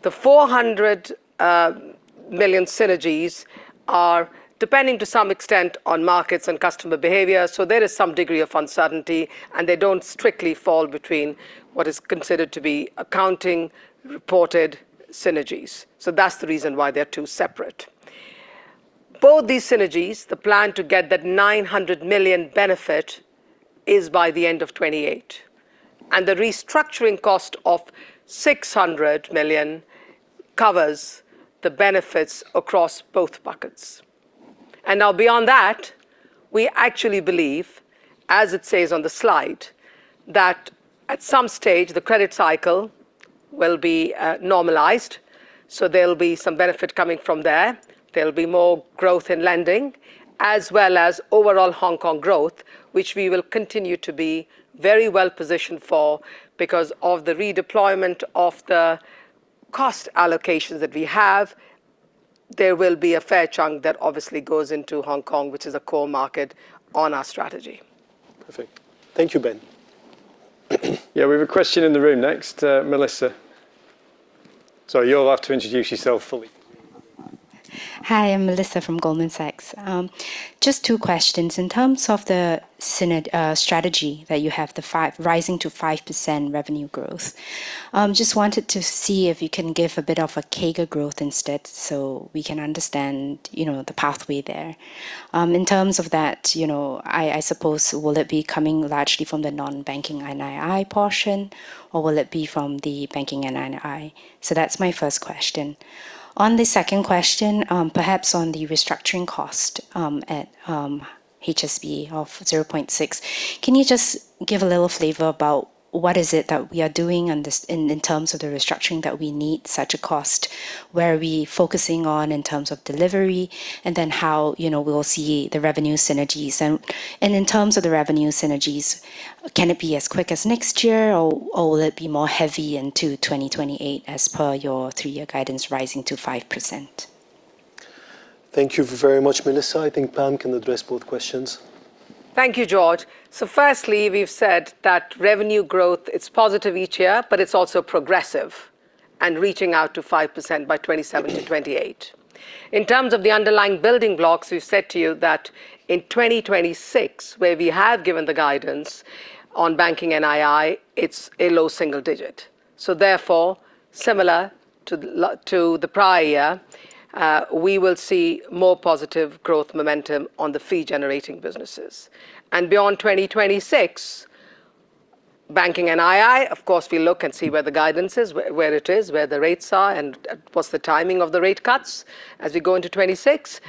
The $400 million synergies are depending to some extent on markets and customer behavior, there is some degree of uncertainty, they don't strictly fall between what is considered to be accounting reported synergies. That's the reason why they're two separate. Both these synergies, the plan to get that $900 million benefit is by the end of 2028, the restructuring cost of $600 million covers the benefits across both buckets. Beyond that, we actually believe, as it says on the slide, that at some stage, the credit cycle will be normalized. There'll be some benefit coming from there. There'll be more growth in lending, as well as overall Hong Kong growth, which we will continue to be very well positioned for. Because of the redeployment of the cost allocations that we have, there will be a fair chunk that obviously goes into Hong Kong, which is a core market on our strategy. Perfect. Thank you, Ben. Yeah, we have a question in the room next, Melissa. You'll have to introduce yourself fully. Hi, I'm Melissa from Goldman Sachs. Just two questions. In terms of the pivot strategy that you have, the 5% revenue growth, just wanted to see if you can give a bit of a CAGR growth instead, so we can understand, you know, the pathway there. In terms of that, you know, I suppose, will it be coming largely from the non-banking NII portion, or will it be from the banking and NII? That's my first question. On the second question, perhaps on the restructuring cost at HSBC of 0.6, can you just give a little flavor about what is it that we are doing on this in terms of the restructuring that we need such a cost? Where are we focusing on in terms of delivery, then how, you know, we'll see the revenue synergies? In terms of the revenue synergies, can it be as quick as next year, or will it be more heavy into 2028, as per your three-year guidance rising to 5%? Thank you very much, Melissa. I think Pam can address both questions. Thank you, George. Firstly, we've said that revenue growth, it's positive each year, but it's also progressive and reaching out to 5% by 2027-2028. In terms of the underlying building blocks, we've said to you that in 2026, where we have given the guidance on Banking NII, it's a low single digit. Therefore, similar to the prior year, we will see more positive growth momentum on the fee-generating businesses. Beyond 2026, Banking NII, of course, we look and see where the guidance is, where it is, where the rates are, and what's the timing of the rate cuts as we go into 2026.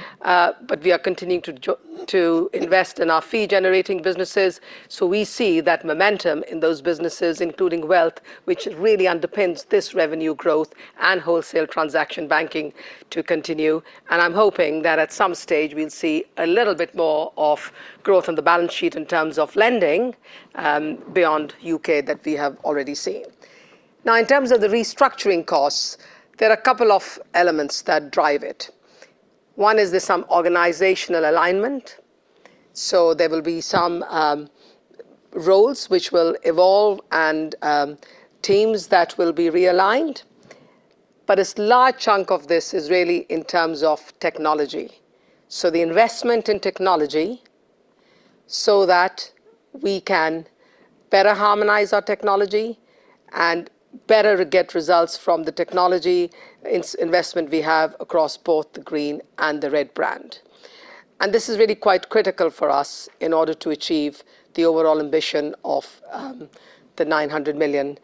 We are continuing to invest in our fee-generating businesses. We see that momentum in those businesses, including wealth, which really underpins this revenue growth and wholesale transaction banking to continue. I'm hoping that at some stage we'll see a little bit more of growth on the balance sheet in terms of lending, beyond U.K. that we have already seen. Now, in terms of the restructuring costs, there are a couple of elements that drive it. One is there's some organizational alignment, so there will be some roles which will evolve and teams that will be realigned, but a large chunk of this is really in terms of technology. The investment in technology, so that we can better harmonize our technology and better get results from the technology investment we have across both the Green brand and the Red brand. This is really quite critical for us in order to achieve the overall ambition of $900 million,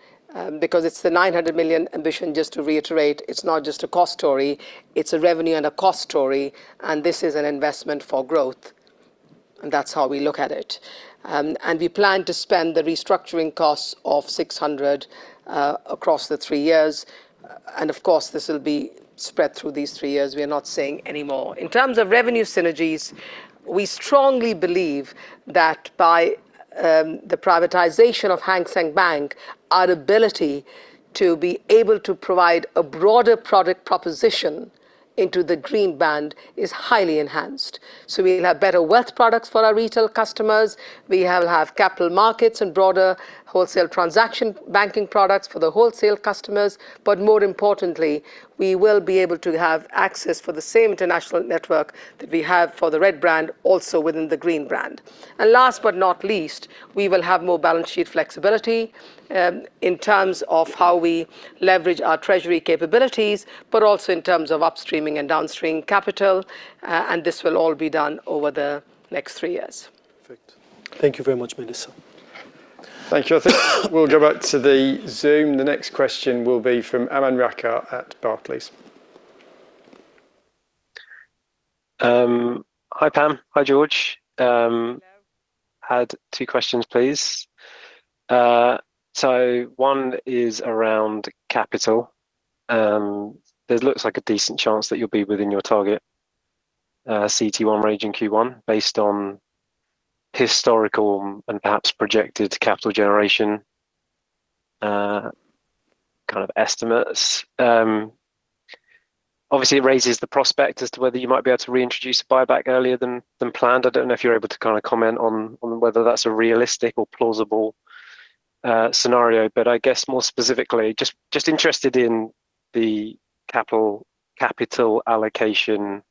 because it's the $900 million ambition, just to reiterate, it's not just a cost story, it's a revenue and a cost story, and this is an investment for growth, and that's how we look at it. We plan to spend the restructuring costs of $600 million across the 3 years, and of course, this will be spread through these 3 years. We're not saying any more. In terms of revenue synergies, we strongly believe that by the privatization of Hang Seng Bank, our ability to be able to provide a broader product proposition into the Green brand is highly enhanced. We'll have better wealth products for our retail customers, we have capital markets and broader wholesale transaction banking products for the wholesale customers, but more importantly, we will be able to have access for the same international network that we have for the Red brand, also within the Green brand. Last but not least, we will have more balance sheet flexibility, in terms of how we leverage our treasury capabilities, but also in terms of upstreaming and downstream capital, and this will all be done over the next three years. Perfect. Thank you very much, Melissa. Thank you. We'll go back to the Zoom. The next question will be from Aman Rakkar at Barclays. Hi, Pam. Hi, George. Hello. Had 2 questions, please. One is around capital. This looks like a decent chance that you'll be within your target CET1 range in Q1, based on historical and perhaps projected capital generation, kind of estimates. Obviously, it raises the prospect as to whether you might be able to reintroduce buyback earlier than planned. I don't know if you're able to kinda comment on whether that's a realistic or plausible scenario. I guess more specifically, just interested in the capital allocation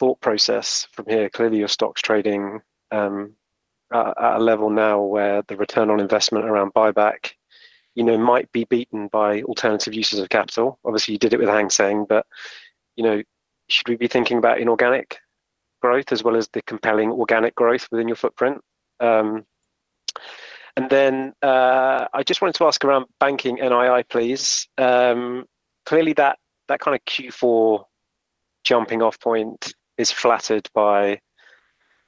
thought process from here. Clearly, your stock's trading at a level now where the return on investment around buyback, you know, might be beaten by alternative uses of capital. Obviously, you did it with Hang Seng, you know, should we be thinking about inorganic growth as well as the compelling organic growth within your footprint? I just wanted to ask around Banking NII, please. Clearly, that kind of Q4 jumping off point is flattered by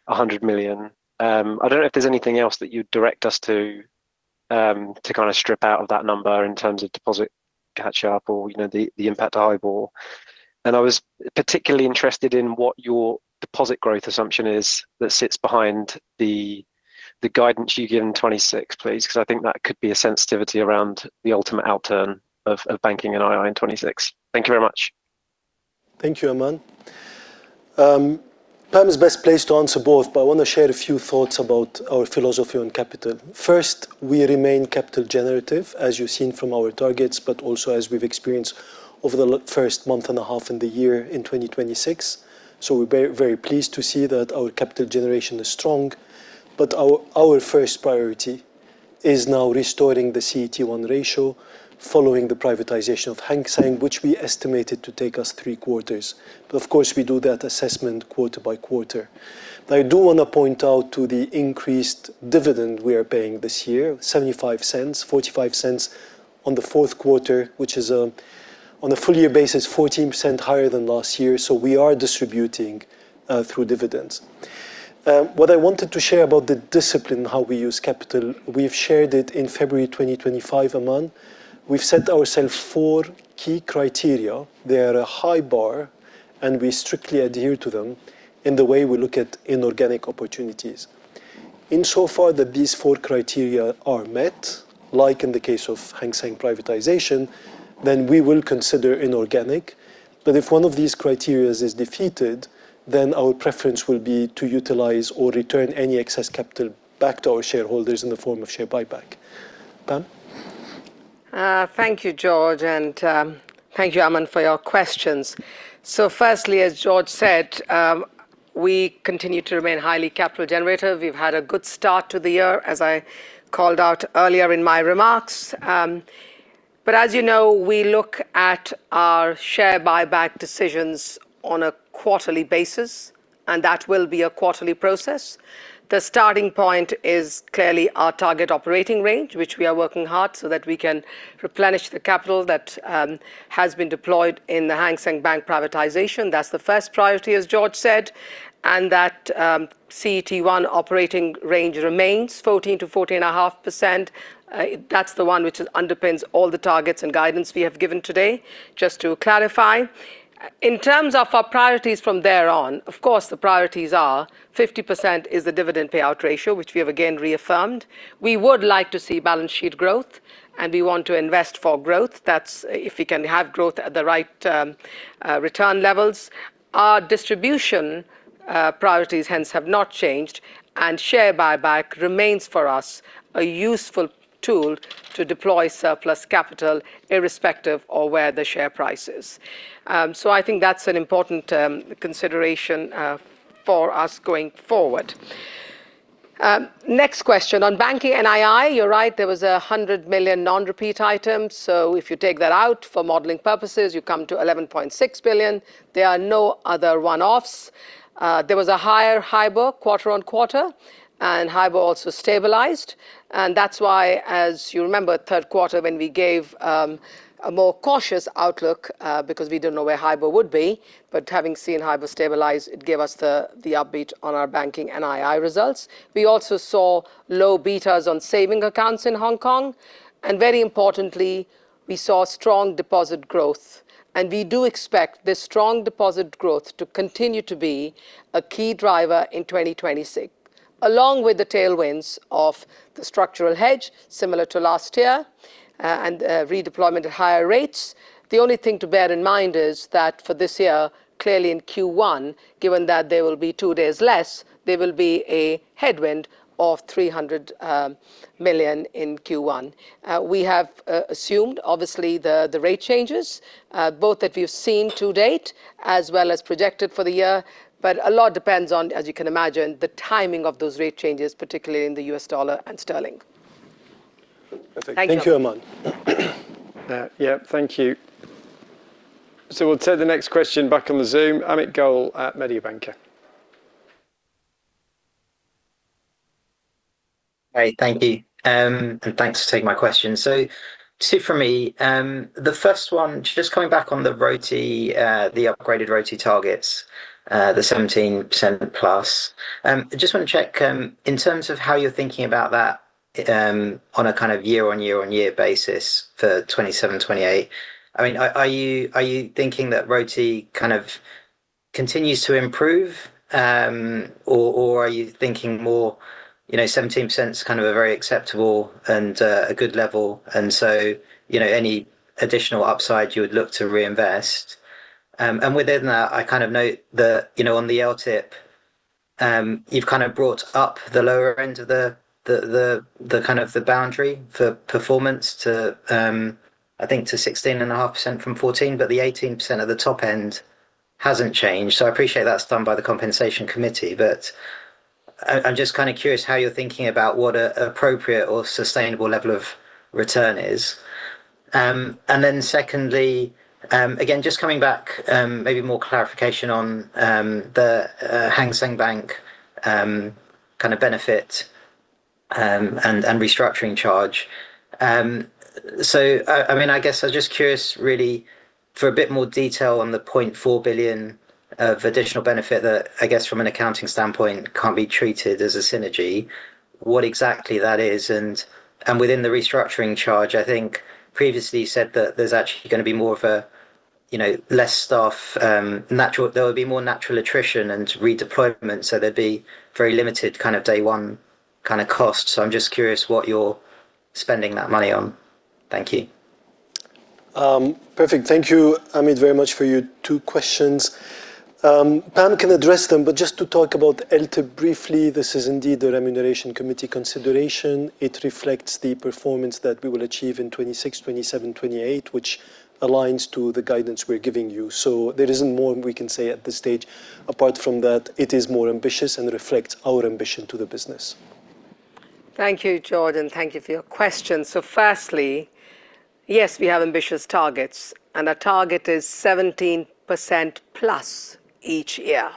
$100 million. I don't know if there's anything else that you'd direct us to kinda strip out of that number in terms of deposit catch up or, you know, the impact to HIBOR. I was particularly interested in what your deposit growth assumption is that sits behind the guidance you gave in 2026, please, 'cause I think that could be a sensitivity around the ultimate outturn of Banking NII in 2026. Thank you very much. Thank you, Aman. Pam is best placed to answer both, I wanna share a few thoughts about our philosophy on capital. First, we remain capital generative, as you've seen from our targets, also as we've experienced over the first month and a half in 2026. We're very, very pleased to see that our capital generation is strong. Our first priority is now restoring the CET1 ratio, following the privatization of Hang Seng, which we estimated to take us 3 quarters. Of course, we do that assessment quarter-by-quarter. I do wanna point out to the increased dividend we are paying this year, $0.75, $0.45 on the Q4, which is on a full year basis, 14% higher than last year. We are distributing through dividends. What I wanted to share about the discipline, how we use capital, we've shared it in February 2025, Aman. We've set ourselves four key criteria. They are a high bar, and we strictly adhere to them in the way we look at inorganic opportunities. Insofar that these four criteria are met, like in the case of Hang Seng privatization, then we will consider inorganic. If one of these criteria is defeated, then our preference will be to utilize or return any excess capital back to our shareholders in the form of share buyback. Pam? Thank you, George, thank you, Aman, for your questions. Firstly, as George said, we continue to remain highly capital generator. We've had a good start to the year, as I called out earlier in my remarks. As you know, we look at our share buyback decisions on a quarterly basis, that will be a quarterly process. The starting point is clearly our target operating range, which we are working hard so that we can replenish the capital that has been deployed in the Hang Seng Bank privatization. That's the first priority, as George said, that CET1 operating range remains 14 to 14.5%. That's the one which underpins all the targets and guidance we have given today, just to clarify. In terms of our priorities from there on, of course, the priorities are: 50% is the dividend payout ratio, which we have again reaffirmed. We would like to see balance sheet growth, and we want to invest for growth. That's if we can have growth at the right return levels. Our distribution priorities, hence, have not changed, and share buyback remains, for us, a useful tool to deploy surplus capital, irrespective of where the share price is. I think that's an important consideration for us going forward. Next question. On Banking NII, you're right, there was a $100 million non-repeat items. If you take that out for modeling purposes, you come to $11.6 billion. There are no other one-offs. There was a higher HIBOR quarter-on-quarter, and HIBOR also stabilized. That's why, as you remember, Q3, when we gave a more cautious outlook, because we didn't know where HIBOR would be, but having seen HIBOR stabilize, it gave us the upbeat on our Banking NII results. We also saw low betas on saving accounts in Hong Kong, very importantly, we saw strong deposit growth. We do expect this strong deposit growth to continue to be a key driver in 2026 along with the tailwinds of the structural hedge, similar to last year, and redeployment at higher rates. The only thing to bear in mind is that for this year, clearly in Q1, given that there will be two days less, there will be a headwind of $300 million in Q1. We have assumed, obviously, the rate changes, both that we've seen to date as well as projected for the year. A lot depends on, as you can imagine, the timing of those rate changes, particularly in the U.S. dollar and sterling. Perfect. Thank you. Thank you, Aman. Yep, thank you. We'll take the next question back on the Zoom. Amit Goel at Mediobanca. Hey, thank you. Thanks for taking my question. Two for me. The first one, just coming back on the RoTE, the upgraded RoTE targets, the 17%+. I just want to check, in terms of how you're thinking about that, on a kind of year-on-year-on-year basis for 2027, 2028. I mean, are you thinking that RoTE kind of continues to improve, or are you thinking more, you know, 17% is kind of a very acceptable and a good level, and so, you know, any additional upside you would look to reinvest? Within that, I kind of note that, you know, on the LTIP, you've kind of brought up the lower end of the boundary for performance to, I think to 16.5% from 14, but the 18% at the top end hasn't changed. I appreciate that's done by the compensation committee, but I'm just kind of curious how you're thinking about what a appropriate or sustainable level of return is. Secondly, again, just coming back, maybe more clarification on the Hang Seng Bank kind of benefit and restructuring charge. I mean, I guess I'm just curious, really for a bit more detail on the $0.4 billion of additional benefit that I guess from an accounting standpoint, can't be treated as a synergy. What exactly that is? Within the restructuring charge, I think previously you said that there's actually gonna be more of a, you know, less staff. There will be more natural attrition and redeployment, so there'd be very limited kind of day one kind of cost. I'm just curious what you're spending that money on. Thank you. Perfect. Thank you, Amit, very much for your two questions. Pam can address them, but just to talk about LTIP briefly, this is indeed a remuneration committee consideration. It reflects the performance that we will achieve in 2026, 2027, 2028, which aligns to the guidance we're giving you. There isn't more we can say at this stage. Apart from that, it is more ambitious and reflects our ambition to the business. Thank you, Jordan. Thank you for your question. Firstly, yes, we have ambitious targets, and our target is 17%+ each year.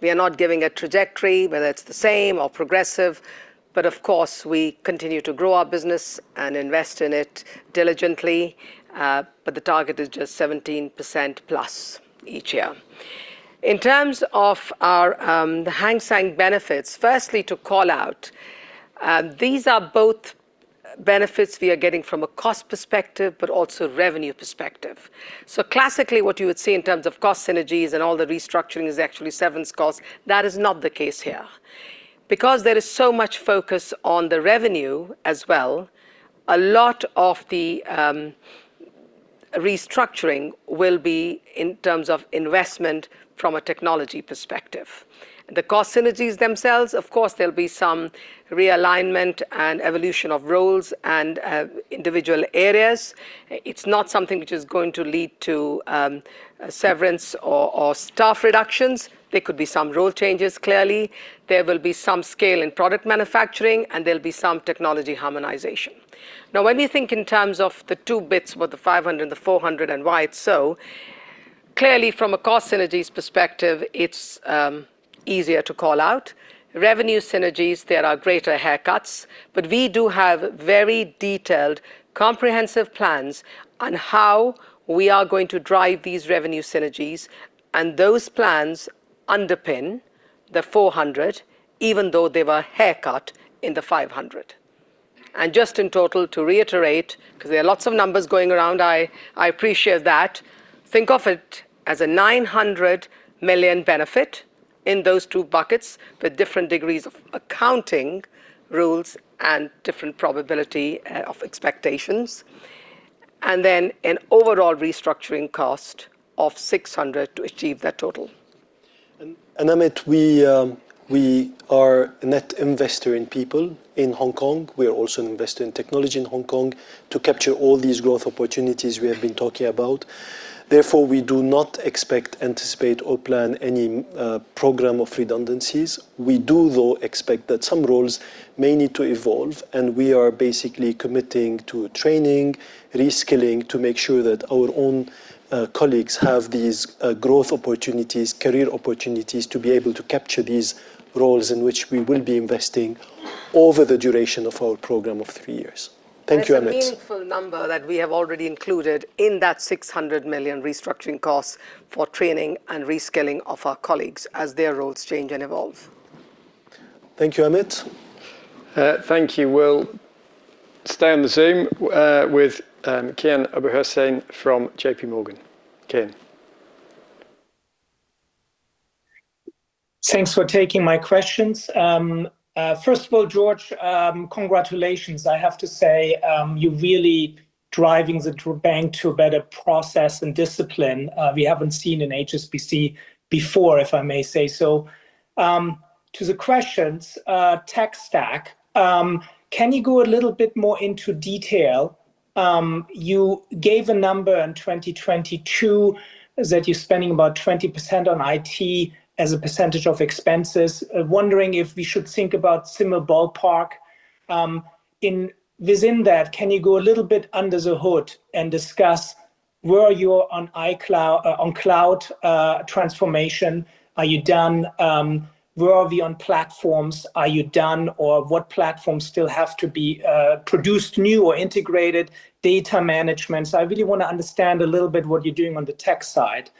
We are not giving a trajectory, whether it's the same or progressive, but of course, we continue to grow our business and invest in it diligently, but the target is just 17%+ each year. In terms of our, the Hang Seng benefits, firstly, to call out, these are both benefits we are getting from a cost perspective, but also revenue perspective. Classically, what you would see in terms of cost synergies and all the restructuring is actually severance costs. That is not the case here. Because there is so much focus on the revenue as well, a lot of the restructuring will be in terms of investment from a technology perspective. The cost synergies themselves, of course, there'll be some realignment and evolution of roles and individual areas. It's not something which is going to lead to severance or staff reductions. There could be some role changes, clearly. There will be some scale in product manufacturing, and there'll be some technology harmonization. When we think in terms of the two bits with the 500 and the 400 and why it's so, clearly from a cost synergies perspective, it's easier to call out. Revenue synergies, there are greater haircuts, but we do have very detailed, comprehensive plans on how we are going to drive these revenue synergies, and those plans underpin the 400, even though they were haircut in the 500. Just in total, to reiterate, 'cause there are lots of numbers going around, I appreciate that. Think of it as a $900 million benefit in those two buckets, with different degrees of accounting rules and different probability of expectations, and then an overall restructuring cost of $600 to achieve that total. Amit, we are a net investor in people in Hong Kong. We are also an investor in technology in Hong Kong to capture all these growth opportunities we have been talking about. Therefore, we do not expect, anticipate, or plan any program of redundancies. We do, though, expect that some roles may need to evolve, and we are basically committing to training, reskilling, to make sure that our own colleagues have these growth opportunities, career opportunities, to be able to capture these roles in which we will be investing over the duration of our program of three years. Thank you, Amit. There's a meaningful number that we have already included in that $600 million restructuring costs for training and reskilling of our colleagues as their roles change and evolve. Thank you, Amit. thank you. We'll stay on the Zoom, with Kian Abouhossein from J.P. Morgan. Kian? Thanks for taking my questions. First of all, George, congratulations. I have to say, you're really driving the bank to a better process and discipline, we haven't seen in HSBC before, if I may say so. To the questions, tech stack, can you go a little bit more into detail? You gave a number in 2022, that you're spending about 20% on IT as a percentage of expenses. Wondering if we should think about similar ballpark? Within that, can you go a little bit under the hood and discuss where are you on cloud transformation? Are you done? Where are we on platforms? Are you done, or what platforms still have to be produced new or integrated? Data management. I really want to understand a little bit what you're doing on the tech side.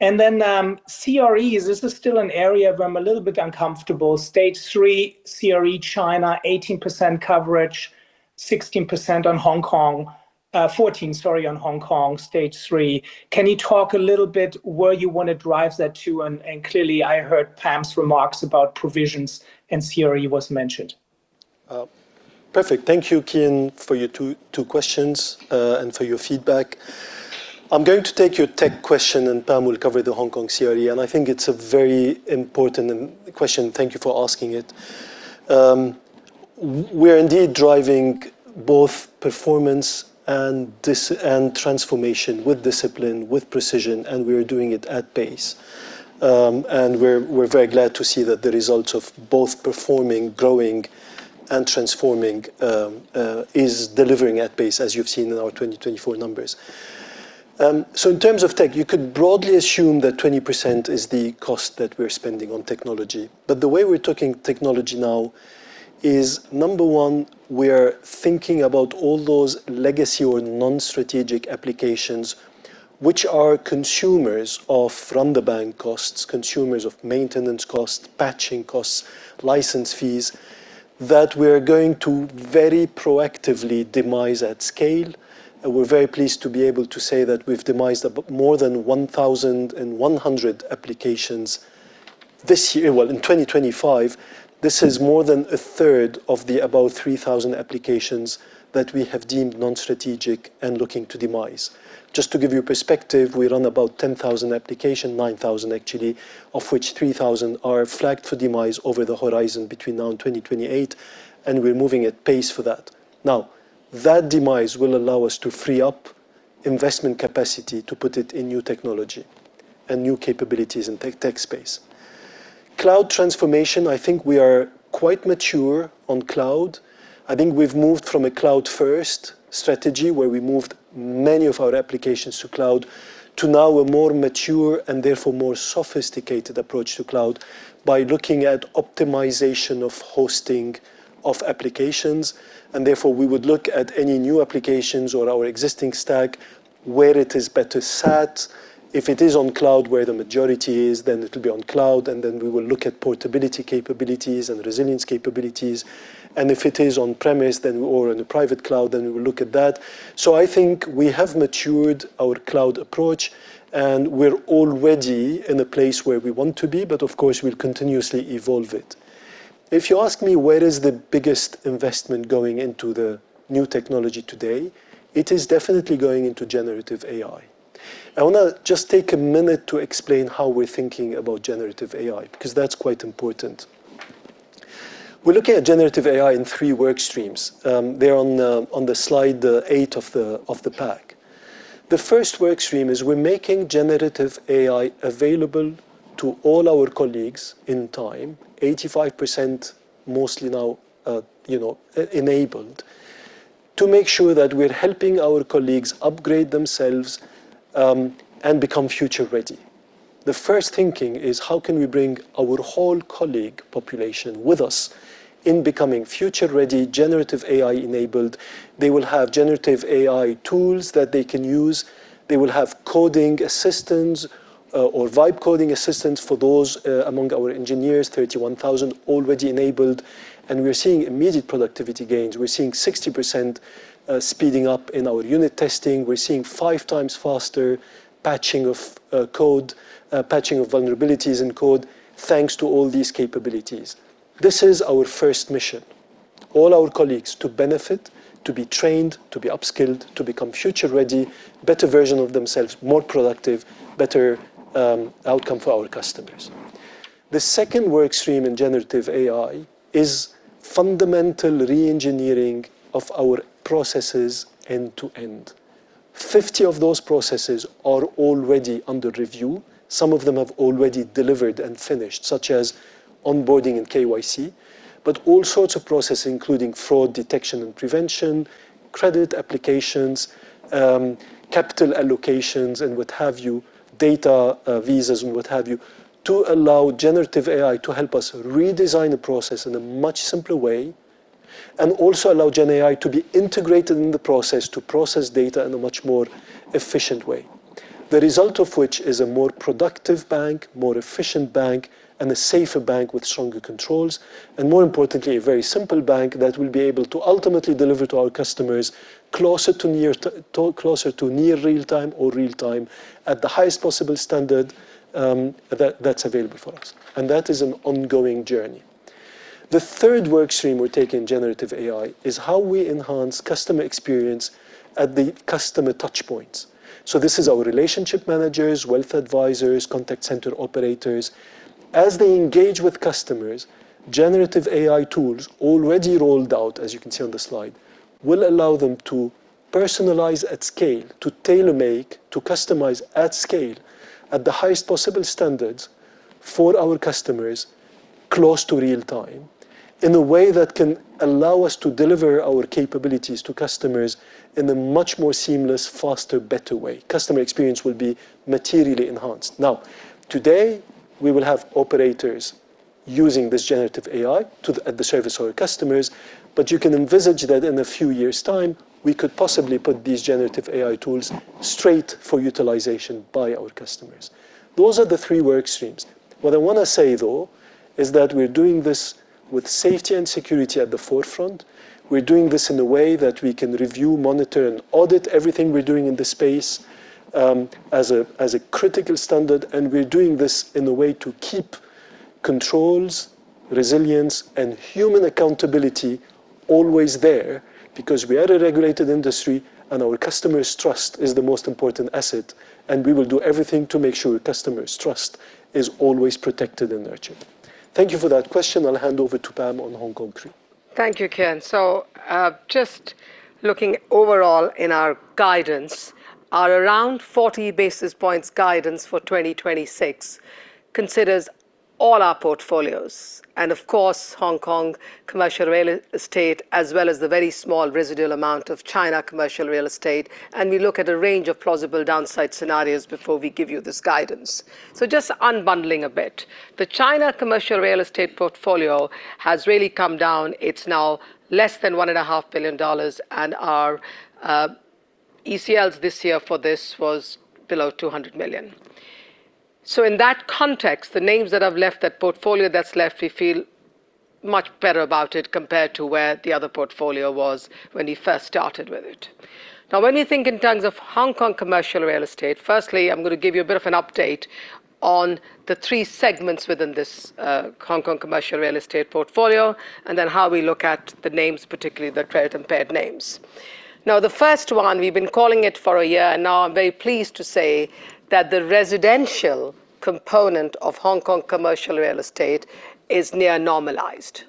CREs, this is still an area where I'm a little bit uncomfortable. Stage 3, CRE China, 18% coverage, 16% on Hong Kong. 14, sorry, on Hong Kong, stage 3. Can you talk a little bit where you want to drive that to? Clearly, I heard Pam's remarks about provisions, and CRE was mentioned. Perfect. Thank you, Kian, for your two questions, and for your feedback. I'm going to take your tech question, and Pam will cover the Hong Kong CRE, and I think it's a very important question. Thank you for asking it. We're indeed driving both performance and transformation with discipline, with precision, and we are doing it at pace. We're very glad to see that the results of both performing, growing, and transforming is delivering at pace, as you've seen in our 2024 numbers. In terms of tech, you could broadly assume that 20% is the cost that we're spending on technology. The way we're talking technology now is, number one, we are thinking about all those legacy or non-strategic applications, which are consumers of run-the-bank costs, consumers of maintenance costs, patching costs, license fees, that we're going to very proactively demise at scale. We're very pleased to be able to say that we've demised more than 1,100 applications this year, well, in 2025. This is more than a third of the above 3,000 applications that we have deemed non-strategic and looking to demise. Just to give you perspective, we run about 10,000 application, 9,000 actually, of which 3,000 are flagged for demise over the horizon between now and 2028, and we're moving at pace for that. That demise will allow us to free up investment capacity, to put it in new technology and new capabilities in tech space. Cloud transformation, I think we are quite mature on cloud. I think we've moved from a cloud-first strategy, where we moved many of our applications to cloud, to now a more mature and therefore more sophisticated approach to cloud by looking at optimization of hosting of applications. Therefore, we would look at any new applications or our existing stack, where it is better sat. If it is on cloud, where the majority is, then it'll be on cloud, and then we will look at portability capabilities and resilience capabilities. If it is on-premise or in the private cloud, then we will look at that. I think we have matured our cloud approach, and we're already in a place where we want to be, but of course, we'll continuously evolve it. If you ask me, where is the biggest investment going into the new technology today? It is definitely going into generative AI. I want to just take a minute to explain how we're thinking about generative AI, because that's quite important. We're looking at generative AI in three work streams. They're on the slide, the eight of the pack. The first work stream is we're making generative AI available to all our colleagues in time, 85%, mostly now, you know, e-enabled, to make sure that we're helping our colleagues upgrade themselves and become future ready. The first thinking is: how can we bring our whole colleague population with us in becoming future ready, generative AI-enabled? They will have generative AI tools that they can use. They will have coding assistance, or Vibe-coding assistance for those among our engineers, 31,000 already enabled, and we're seeing immediate productivity gains. We're seeing 60% speeding up in our unit testing. We're seeing 5x faster patching of code, patching of vulnerabilities in code, thanks to all these capabilities. This is our first mission. All our colleagues to benefit, to be trained, to be upskilled, to become future ready, better version of themselves, more productive, better outcome for our customers. The second work stream in generative AI is fundamental reengineering of our processes end to end. 50 of those processes are already under review. Some of them have already delivered and finished, such as onboarding and KYC, but all sorts of processes, including fraud detection and prevention, credit applications, capital allocations, and what have you, data, visas and what have you, to allow generative AI to help us redesign the process in a much simpler way, and also allow gen AI to be integrated in the process, to process data in a much more efficient way. The result of which is a more productive bank, more efficient bank, and a safer bank with stronger controls, and more importantly, a very simple bank that will be able to ultimately deliver to our customers closer to near closer to near real time or real time at the highest possible standard, that's available for us, and that is an ongoing journey. The third work stream we take in generative AI is how we enhance customer experience at the customer touchpoints. This is our relationship managers, wealth advisors, contact center operators. As they engage with customers, generative AI tools already rolled out, as you can see on the slide, will allow them to personalize at scale, to tailor-make, to customize at scale at the highest possible standards for our customers, close to real time, in a way that can allow us to deliver our capabilities to customers in a much more seamless, faster, better way. Customer experience will be materially enhanced. Now, today, we will have operators using this generative AI at the service of our customers, you can envisage that in a few years' time, we could possibly put these generative AI tools straight for utilization by our customers. Those are the three work streams. What I want to say, though, is that we're doing this with safety and security at the forefront. We're doing this in a way that we can review, monitor, and audit everything we're doing in this space, as a critical standard, we're doing this in a way to keep controls, resilience, and human accountability always there, because we are a regulated industry, and our customers' trust is the most important asset, and we will do everything to make sure customers' trust is always protected and nurtured. Thank you for that question. I'll hand over to Pam on Hong Kong 3. Thank you, Kian. Just looking overall in our guidance, our around 40 basis points guidance for 2026 considers all our portfolios, and of course, Hong Kong commercial real estate, as well as the very small residual amount of China commercial real estate. We look at a range of plausible downside scenarios before we give you this guidance. Just unbundling a bit, the China commercial real estate portfolio has really come down. It's now less than $1.5 billion. Our ECLs this year for this was below $200 million. In that context, the names that have left that portfolio that's left, we feel much better about it compared to where the other portfolio was when we first started with it. When you think in terms of Hong Kong commercial real estate, firstly, I'm going to give you a bit of an update on the three segments within this Hong Kong commercial real estate portfolio, and then how we look at the names, particularly the credit-impaired names. The first one, we've been calling it for a year, I'm very pleased to say that the residential component of Hong Kong commercial real estate is near normalized.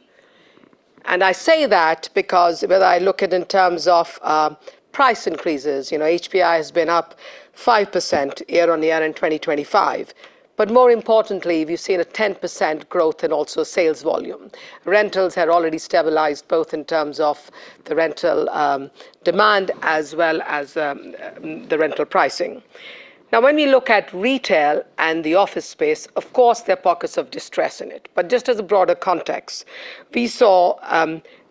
I say that because when I look at in terms of price increases, you know, HPI has been up 5% year-on-year in 2025. More importantly, we've seen a 10% growth in also sales volume. Rentals had already stabilized, both in terms of the rental demand as well as the rental pricing. When we look at retail and the office space, of course, there are pockets of distress in it. Just as a broader context, we saw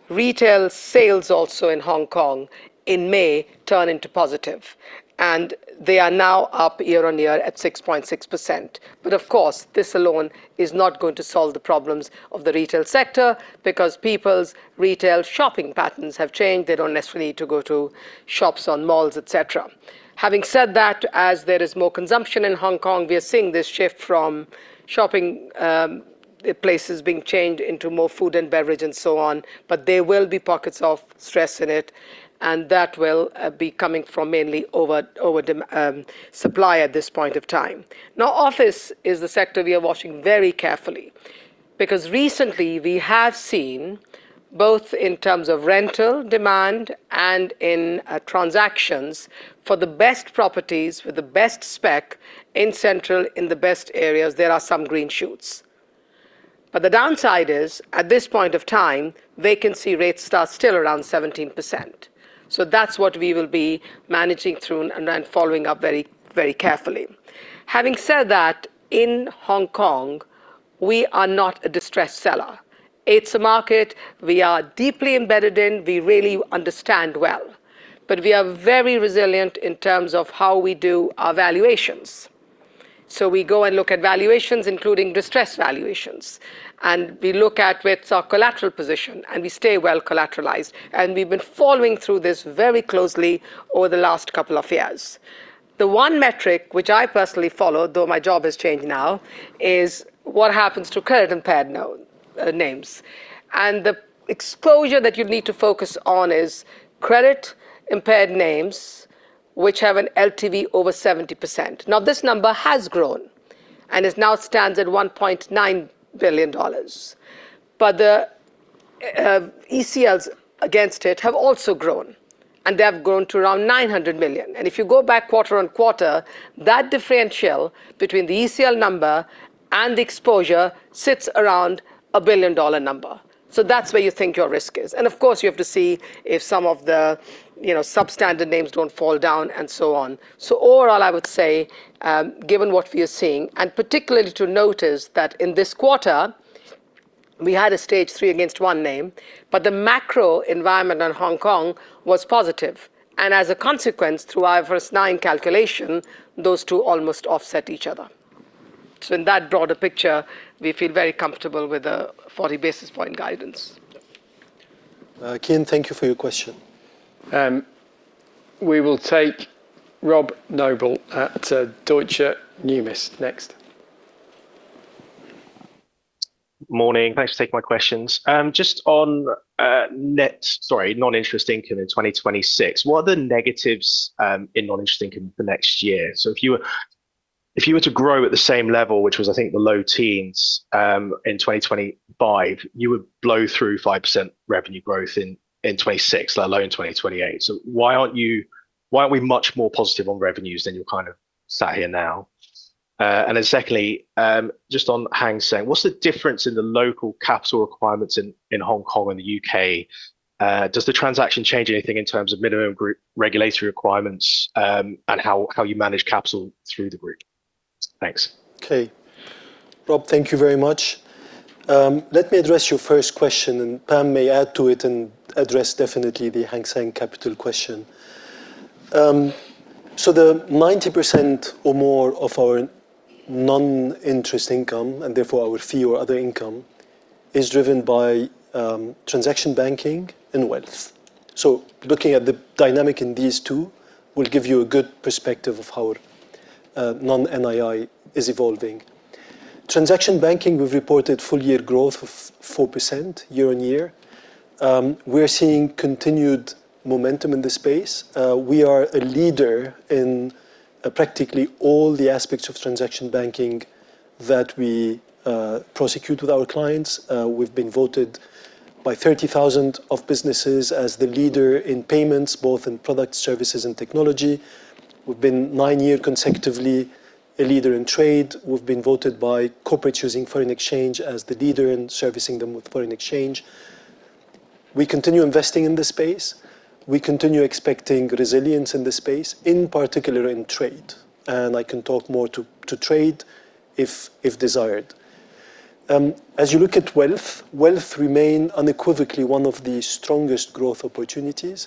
retail sales also in Hong Kong in May turn into positive, and they are now up year-on-year at 6.6%. Of course, this alone is not going to solve the problems of the retail sector, because people's retail shopping patterns have changed. They don't necessarily need to go to shops or malls, et cetera. Having said that, as there is more consumption in Hong Kong, we are seeing this shift from shopping places being changed into more food and beverage and so on, but there will be pockets of stress in it, and that will be coming from mainly over supply at this point of time. Office is a sector we are watching very carefully, because recently, we have seen, both in terms of rental demand and in transactions, for the best properties with the best spec in Central, in the best areas, there are some green shoots. The downside is, at this point of time, vacancy rates are still around 17%. That's what we will be managing through and following up very, very carefully. Having said that, in Hong Kong, we are not a distressed seller. It's a market we are deeply embedded in, we really understand well, but we are very resilient in terms of how we do our valuations. We go and look at valuations, including distressed valuations, and we look at where's our collateral position, and we stay well collateralized, and we've been following through this very closely over the last couple of years. The one metric which I personally follow, though my job has changed now, is what happens to credit-impaired names. The exposure that you'd need to focus on is credit-impaired names which have an LTV over 70%. Now, this number has grown and it now stands at $1.9 billion. The ECLs against it have also grown, and they have grown to around $900 million. If you go back quarter-on-quarter, that differential between the ECL number and the exposure sits around a billion-dollar number. That's where you think your risk is. Of course, you have to see if some of the, you know, substandard names don't fall down and so on. Overall, I would say, given what we are seeing, and particularly to notice that in this quarter, we had a stage three against 1 name. The macro environment in Hong Kong was positive. As a consequence, through our first nine calculation, those two almost offset each other. In that broader picture, we feel very comfortable with a 40 basis point guidance. Keane, thank you for your question. We will take Robert Noble at Deutsche Bank next. Morning. Thanks for taking my questions. Just on non-interest income in 2026, what are the negatives in non-interest income for next year? If you were to grow at the same level, which was, I think, the low teens, in 2025, you would blow through 5% revenue growth in 2026, let alone in 2028. Why aren't we much more positive on revenues than you're kind of sat here now? Secondly, just on Hang Seng, what's the difference in the local capital requirements in Hong Kong and the U.K.? Does the transaction change anything in terms of minimum group regulatory requirements, and how you manage capital through the group? Thanks. Okay. Rob, thank you very much. Let me address your first question, and Pam may add to it and address definitely the Hang Seng capital question. The 90% or more of our non-interest income, and therefore our fee or other income, is driven by Transaction Banking and wealth. Looking at the dynamic in these two will give you a good perspective of how our non-NII is evolving. Transaction Banking, we've reported full year growth of 4% year-on-year. We're seeing continued momentum in this space. We are a leader in practically all the aspects of Transaction Banking that we prosecute with our clients. We've been voted by 30,000 of businesses as the leader in payments, both in product, services, and technology. We've been 9-year consecutively a leader in trade. We've been voted by corporate using foreign exchange as the leader in servicing them with foreign exchange. We continue investing in this space. We continue expecting resilience in this space, in particular in trade, and I can talk more to trade if desired. As you look at wealth remain unequivocally one of the strongest growth opportunities,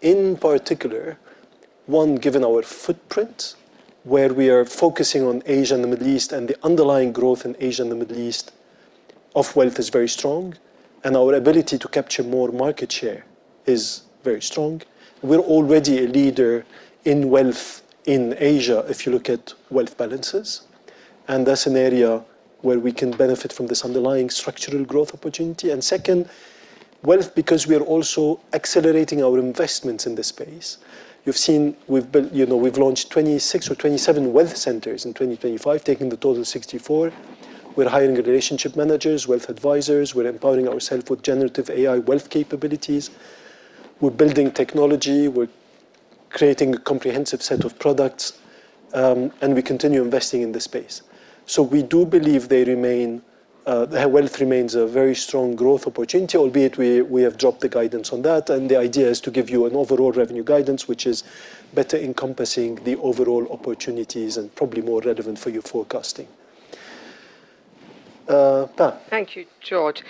in particular, one, given our footprint, where we are focusing on Asia and the Middle East, and the underlying growth in Asia and the Middle East of wealth is very strong, and our ability to capture more market share is very strong. We're already a leader in wealth in Asia, if you look at wealth balances, and that's an area where we can benefit from this underlying structural growth opportunity. Second, wealth, because we are also accelerating our investments in this space. You've seen we've built... You know, we've launched 26 or 27 wealth centers in 2025, taking the total to 64. We're hiring relationship managers, wealth advisors, we're empowering ourselves with generative AI wealth capabilities, we're building technology, we're creating a comprehensive set of products, and we continue investing in this space. We do believe they remain, their wealth remains a very strong growth opportunity, albeit we have dropped the guidance on that, and the idea is to give you an overall revenue guidance, which is better encompassing the overall opportunities and probably more relevant for your forecasting. Pam? Thank you, George.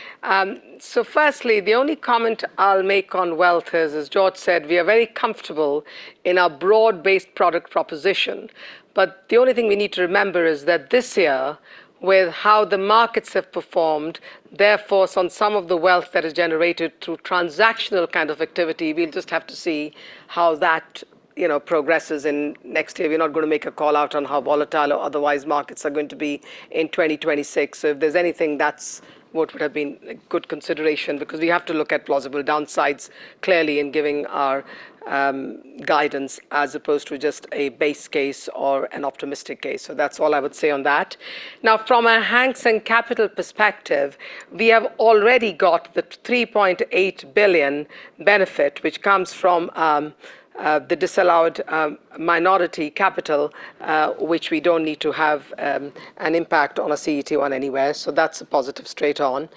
Firstly, the only comment I'll make on wealth is, as George said, we are very comfortable in our broad-based product proposition, but the only thing we need to remember is that this year, with how the markets have performed, therefore, on some of the wealth that is generated through transactional kind of activity, we'll just have to see how that, you know, progresses in next year. We're not gonna make a call out on how volatile or otherwise markets are going to be in 2026. If there's anything, that's what would have been a good consideration, because we have to look at plausible downsides clearly in giving our guidance, as opposed to just a base case or an optimistic case. That's all I would say on that. From a Hang Seng Capital perspective, we have already got the $3.8 billion benefit, which comes from the disallowed minority capital, which we don't need to have an impact on our CET1 anywhere. That's a positive straight on.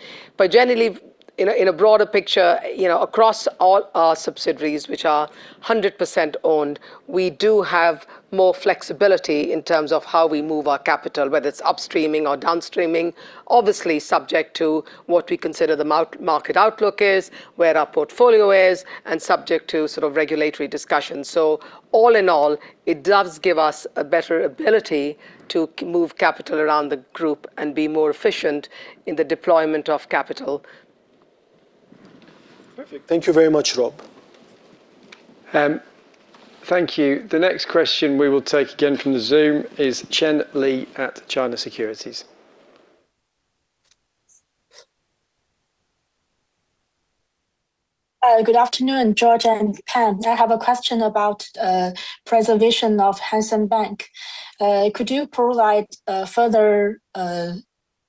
Generally, in a broader picture, you know, across all our subsidiaries, which are 100% owned, we do have more flexibility in terms of how we move our capital, whether it's upstreaming or downstreaming, obviously, subject to what we consider the market outlook is, where our portfolio is, and subject to regulatory discussions. All in all, it does give us a better ability to move capital around the group and be more efficient in the deployment of capital. Perfect. Thank you very much, Rob. Thank you. The next question we will take again from the Zoom is Chen Li at China Securities. Good afternoon, George and Pam. I have a question about preservation of Hang Seng Bank. Could you provide further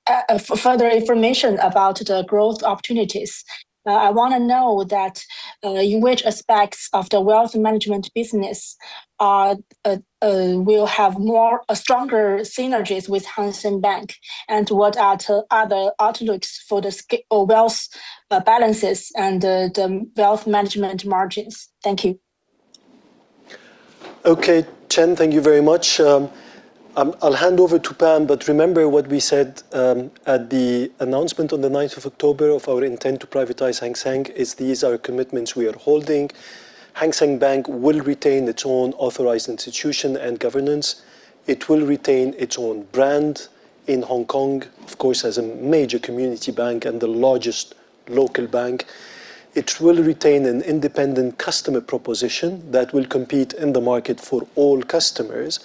information about the growth opportunities? I wanna know that in which aspects of the wealth management business are will have more a stronger synergies with Hang Seng Bank, and what are the other outlooks for the or wealth balances and the wealth management margins? Thank you. Okay, Chen, thank you very much. I'll hand over to Pam, remember what we said at the announcement on the 9th of October of our intent to privatize Hang Seng, is these are commitments we are holding. Hang Seng Bank will retain its own authorized institution and governance. It will retain its own brand in Hong Kong, of course, as a major community bank and the largest local bank. It will retain an independent customer proposition that will compete in the market for all customers.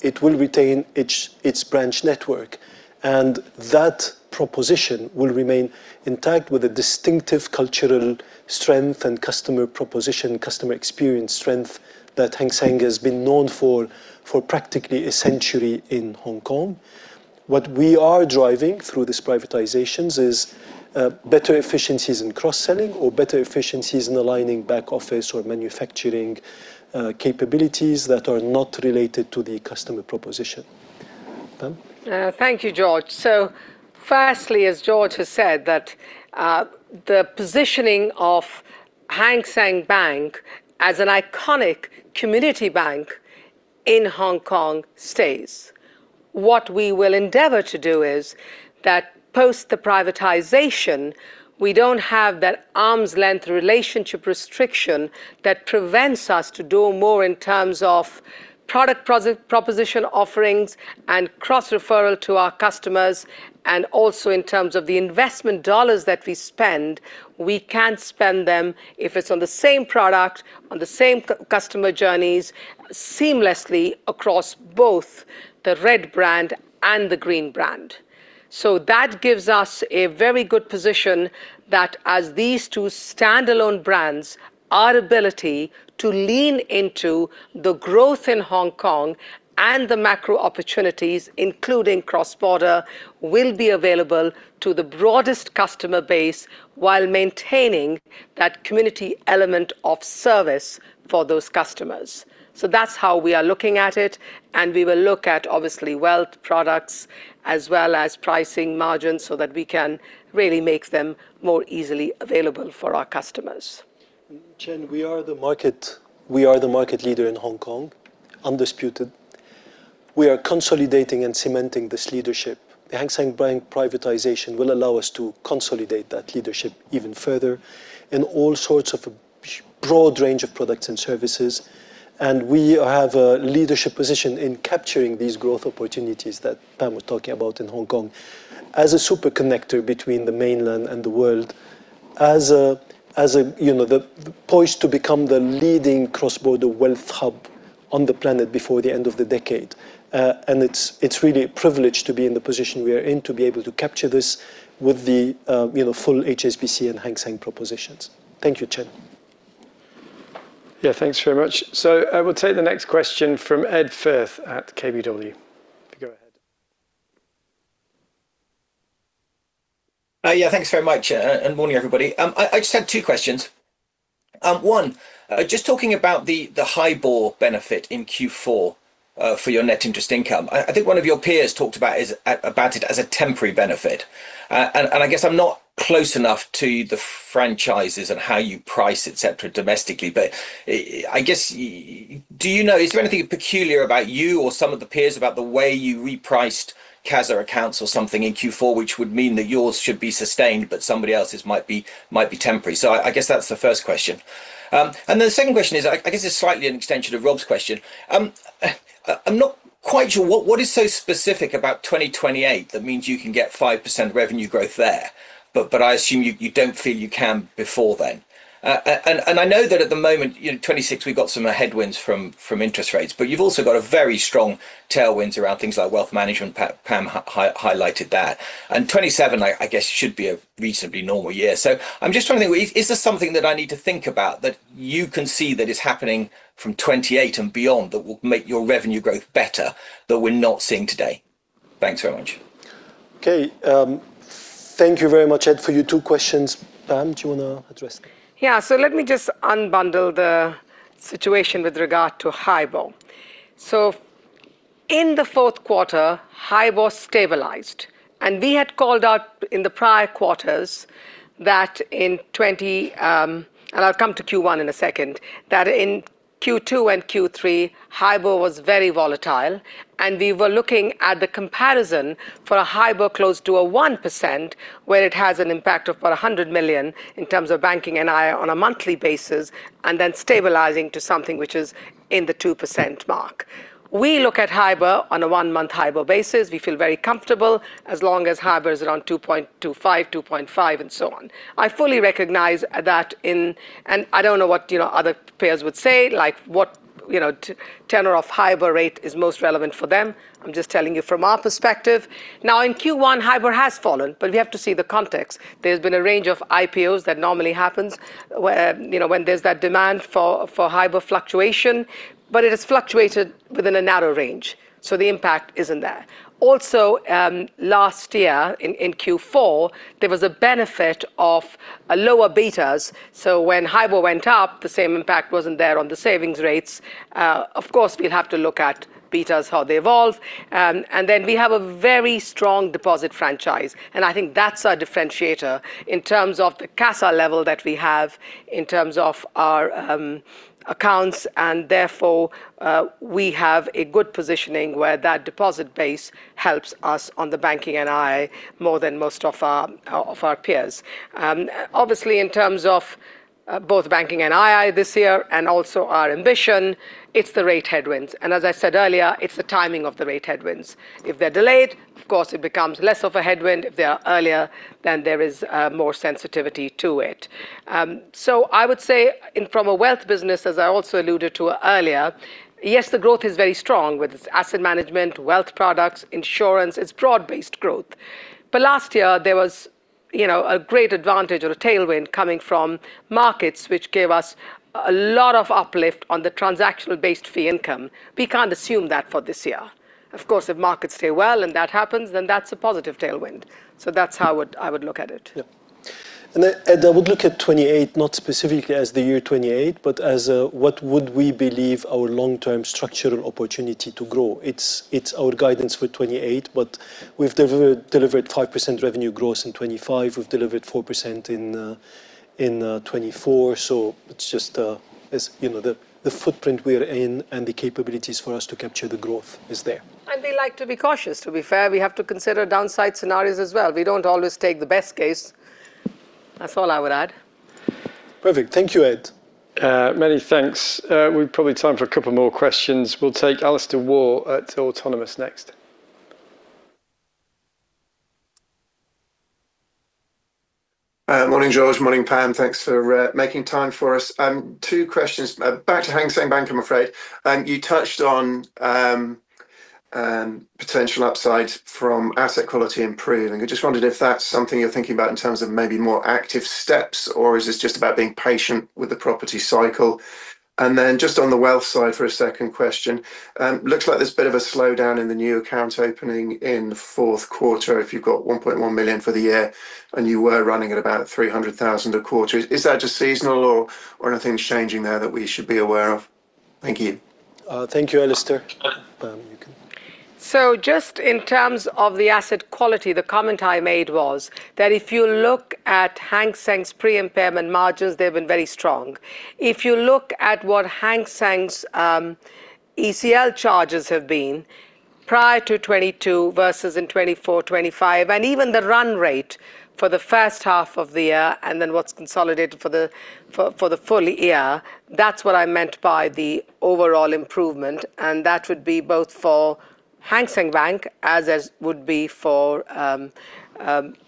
It will retain its branch network, that proposition will remain intact with a distinctive cultural strength and customer proposition, customer experience strength that Hang Seng has been known for practically a century in Hong Kong. What we are driving through these privatizations is better efficiencies in cross-selling or better efficiencies in aligning back office or manufacturing capabilities that are not related to the customer proposition. Pam? Thank you, George. Firstly, as George has said, that the positioning of Hang Seng Bank as an iconic community bank in Hong Kong stays. What we will endeavor to do is that post the privatization, we don't have that arm's length relationship restriction that prevents us to do more in terms of product proposition offerings and cross-referral to our customers, and also in terms of the investment dollars that we spend, we can spend them if it's on the same product, on the same customer journeys, seamlessly across both the Red brand and the Green brand. That gives us a very good position that as these two standalone brands, our ability to lean into the growth in Hong Kong and the macro opportunities, including cross-border, will be available to the broadest customer base while maintaining that community element of service for those customers. That's how we are looking at it, and we will look at, obviously, wealth products as well as pricing margins so that we can really make them more easily available for our customers. Chen, we are the market leader in Hong Kong, undisputed. We are consolidating and cementing this leadership. The Hang Seng Bank privatization will allow us to consolidate that leadership even further in all sorts of a broad range of products and services, and we have a leadership position in capturing these growth opportunities that Pam was talking about in Hong Kong. As a super connector between the Mainland and the world, as a, you know, poised to become the leading cross-border wealth hub on the planet before the end of the decade. It's really a privilege to be in the position we are in, to be able to capture this with the, you know, full HSBC and Hang Seng propositions. Thank you, Chen. Yeah, thanks very much. I will take the next question from Edward Firth at KBW. Go ahead. Yeah, thanks very much, and morning, everybody. I just had two questions. One, just talking about the HIBOR benefit in Q4 for your net interest income. I think one of your peers talked about it as a temporary benefit. I guess I'm not close enough to the franchises and how you price, et cetera, domestically, but, I guess, do you know, is there anything peculiar about you or some of the peers about the way you repriced CASA accounts or something in Q4, which would mean that yours should be sustained, but somebody else's might be, might be temporary? I guess that's the first question. The second question is, I guess it's slightly an extension of Rob's question. I'm not quite sure what is so specific about 2028 that means you can get 5% revenue growth there? I assume you don't feel you can before then. I know that at the moment, you know, 2026, we got some headwinds from interest rates, but you've also got a very strong tailwinds around things like wealth management. Pam highlighted that. 2027, I guess, should be a reasonably normal year. I'm just trying to think, is this something that I need to think about, that you can see that is happening from 2028 and beyond, that will make your revenue growth better, but we're not seeing today? Thanks very much. Okay, thank you very much, Ed, for your two questions. Pam, do you wanna address? Yeah. Let me just unbundle the situation with regard to HIBOR. In the Q4, HIBOR stabilized, and we had called out in the prior quarters that in 20, and I'll come to Q1 in a second, that in Q2 and Q3, HIBOR was very volatile, and we were looking at the comparison for a HIBOR close to a 1%, where it has an impact of about $100 million in terms of Banking and IA on a monthly basis, and then stabilizing to something which is in the 2% mark. We look at HIBOR on a 1-month HIBOR basis. We feel very comfortable as long as HIBOR is around 2.25, 2.5, and so on. I fully recognize that and I don't know what, you know, other peers would say, like what, you know, tenor of HIBOR rate is most relevant for them. I'm just telling you from our perspective. In Q1, HIBOR has fallen, but we have to see the context. There's been a range of IPOs that normally happens, you know, when there's that demand for HIBOR fluctuation, but it has fluctuated within a narrow range, so the impact isn't there. Last year in Q4, there was a benefit of a lower betas, so when HIBOR went up, the same impact wasn't there on the savings rates. Of course, we'll have to look at betas, how they evolve. Then we have a very strong deposit franchise, and I think that's our differentiator in terms of the CASA level that we have, in terms of our accounts, and therefore, we have a good positioning where that deposit base helps us on the Banking NII more than most of our peers. Obviously, in terms of both Banking NII this year and also our ambition, it's the rate headwinds, and as I said earlier, it's the timing of the rate headwinds. If they're delayed, of course, it becomes less of a headwind. If they are earlier, there is more sensitivity to it. I would say from a wealth business, as I also alluded to earlier, yes, the growth is very strong, with its asset management, wealth products, insurance. It's broad-based growth. Last year there was, you know, a great advantage or a tailwind coming from markets, which gave us a lot of uplift on the transactional-based fee income. We can't assume that for this year. Of course, if markets stay well and that happens, then that's a positive tailwind. That's how I would look at it. Yeah. I, and I would look at 2028, not specifically as the year 2028, but as a what would we believe our long-term structural opportunity to grow? It's our guidance for 2028, we've delivered 5% revenue growth in 2025. We've delivered 4% in 2024, it's just, it's, you know, the footprint we're in and the capabilities for us to capture the growth is there. We like to be cautious. To be fair, we have to consider downside scenarios as well. We don't always take the best case. That's all I would add. Perfect. Thank you, Ed. Many thanks. We've probably time for a couple more questions. We'll take Alastair Warr at Autonomous next. Morning, George, morning, Pam. Thanks for making time for us. Two questions. Back to Hang Seng Bank, I'm afraid. You touched on potential upside from asset quality improving. I just wondered if that's something you're thinking about in terms of maybe more active steps, or is this just about being patient with the property cycle? Just on the wealth side for a second question, looks like there's a bit of a slowdown in the new accounts opening in the Q4. If you've got $1.1 million for the year, and you were running at about $300,000 a quarter, is that just seasonal or are things changing there that we should be aware of? Thank you. Thank you, Alastair. Pam. Just in terms of the asset quality, the comment I made was that if you look at Hang Seng's pre-impairment margins, they've been very strong. If you look at what Hang Seng's ECL charges have been prior to 2022 versus in 2024, 2025, and even the run rate for the first half of the year, and then what's consolidated for the full year, that's what I meant by the overall improvement, and that would be both for Hang Seng Bank, as would be for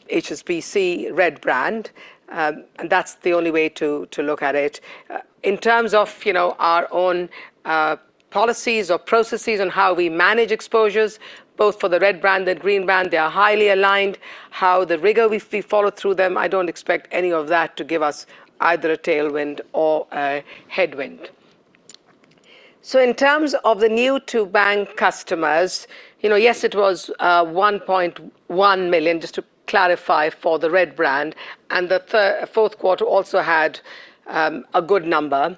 HSBC Red Brand. And that's the only way to look at it. In terms of, you know, our own policies or processes on how we manage exposures, both for the Red Brand and Green Brand, they are highly aligned. How the rigor we follow through them, I don't expect any of that to give us either a tailwind or a headwind. In terms of the new to bank customers, you know, yes, it was $1.1 million, just to clarify for the Red Brand, and the Q4 also had a good number.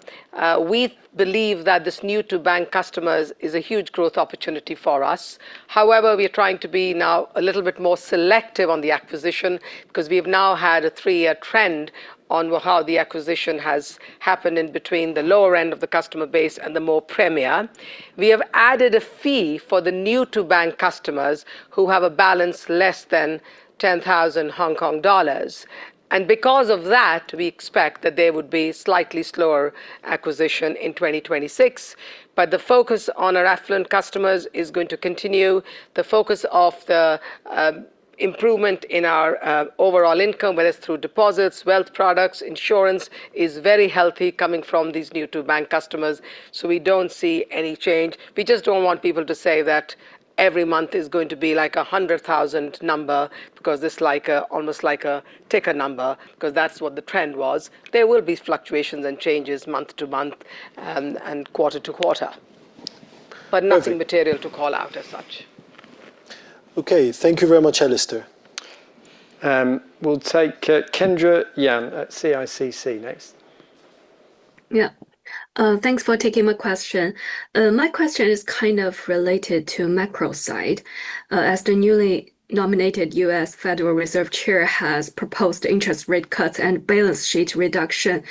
We believe that this new to bank customers is a huge growth opportunity for us. However, we are trying to be now a little bit more selective on the acquisition, 'cause we've now had a three-year trend on how the acquisition has happened in between the lower end of the customer base and the more premier. We have added a fee for the new to bank customers who have a balance less than 10,000 Hong Kong dollars. Because of that, we expect that there would be slightly slower acquisition in 2026. The focus on our affluent customers is going to continue. The focus of the improvement in our overall income, whether it's through deposits, wealth products, insurance, is very healthy coming from these new to bank customers. We don't see any change. We just don't want people to say that every month is going to be like a 100,000 number, because it's like almost like a ticker number, 'cause that's what the trend was. There will be fluctuations and changes month to month and quarter-to-quarter. Okay. Nothing material to call out as such. Okay. Thank you very much, Alastair. We'll take Kendra Yan at CICC next. Yeah. thanks for taking my question. My question is kind of related to macro side. As the newly nominated Federal Reserve System Chair has proposed interest rate cuts and balance sheet reduction,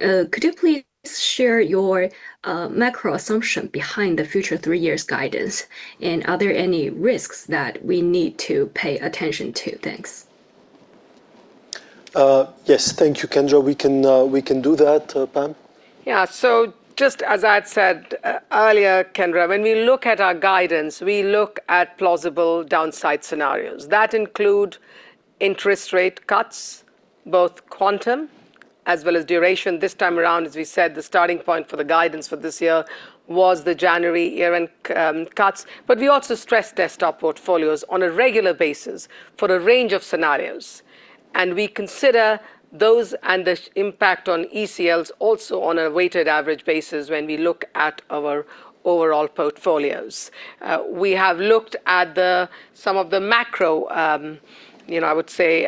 could you please share your macro assumption behind the future three years guidance? Are there any risks that we need to pay attention to? Thanks. Yes. Thank you, Kendra. We can do that, Pam. Just as I'd said earlier, Kendra, when we look at our guidance, we look at plausible downside scenarios that include interest rate cuts, both quantum as well as duration. This time around, as we said, the starting point for the guidance for this year was the January year-end cuts. We also stress-test our portfolios on a regular basis for a range of scenarios, and we consider those and the impact on ECLs also on a weighted average basis when we look at our overall portfolios. We have looked at the, some of the macro, you know, I would say,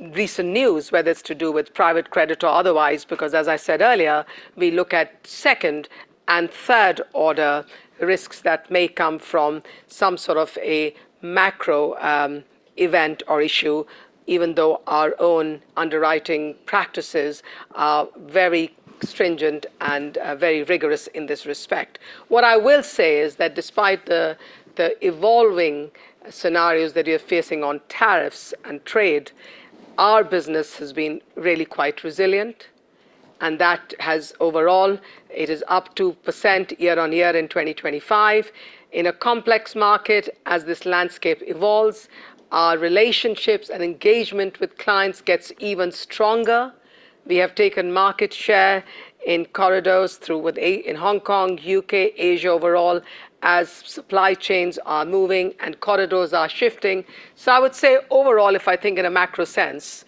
recent news, whether it's to do with private credit or otherwise, because as I said earlier, we look at second and third-order risks that may come from some sort of a macro event or issue, even though our own underwriting practices are very stringent and very rigorous in this respect. What I will say is that despite the evolving scenarios that we are facing on tariffs and trade, our business has been really quite resilient, and that has overall, it is up 2% year-on-year in 2025. In a complex market, as this landscape evolves, our relationships and engagement with clients gets even stronger. We have taken market share in corridors through with in Hong Kong, UK, Asia overall, as supply chains are moving and corridors are shifting. I would say overall, if I think in a macro sense,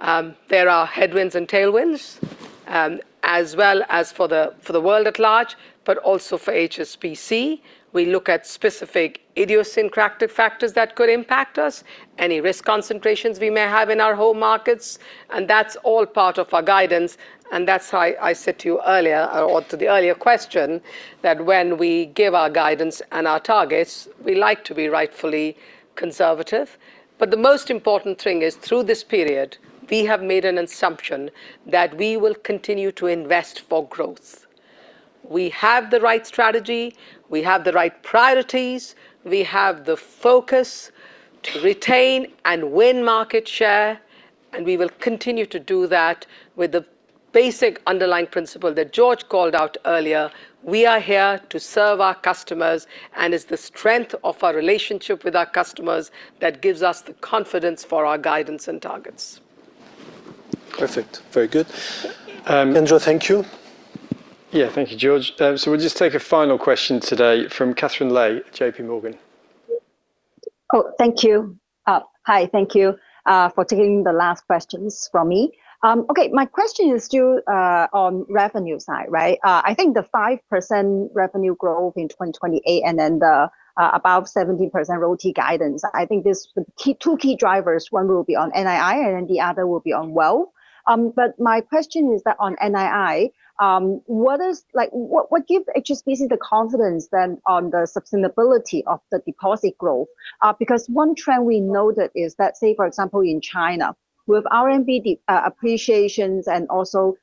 there are headwinds and tailwinds, as well as for the world at large, but also for HSBC. We look at specific idiosyncratic factors that could impact us, any risk concentrations we may have in our home markets, and that's all part of our guidance, and that's why I said to you earlier or to the earlier question, that when we give our guidance and our targets, we like to be rightfully conservative. The most important thing is, through this period, we have made an assumption that we will continue to invest for growth. We have the right strategy, we have the right priorities, we have the focus to retain and win market share, and we will continue to do that with the basic underlying principle that George called out earlier: we are here to serve our customers, and it's the strength of our relationship with our customers that gives us the confidence for our guidance and targets. Perfect. Very good. Angela, thank you. Yeah. Thank you, George. We'll just take a final question today from Katherine Lei, J.P. Morgan. ou for taking the last questions from me. My question is on the revenue side, right? I think the 5% revenue growth in 2028, and then the above 17% RoTE guidance, I think there are two key drivers. One will be on NII, and then the other will be on wealth. But my question is that on NII, what is, what gives HSBC the confidence on the sustainability of the deposit growth? Because one trend we noted is that, say, for example, in China, with RMB appreciations and also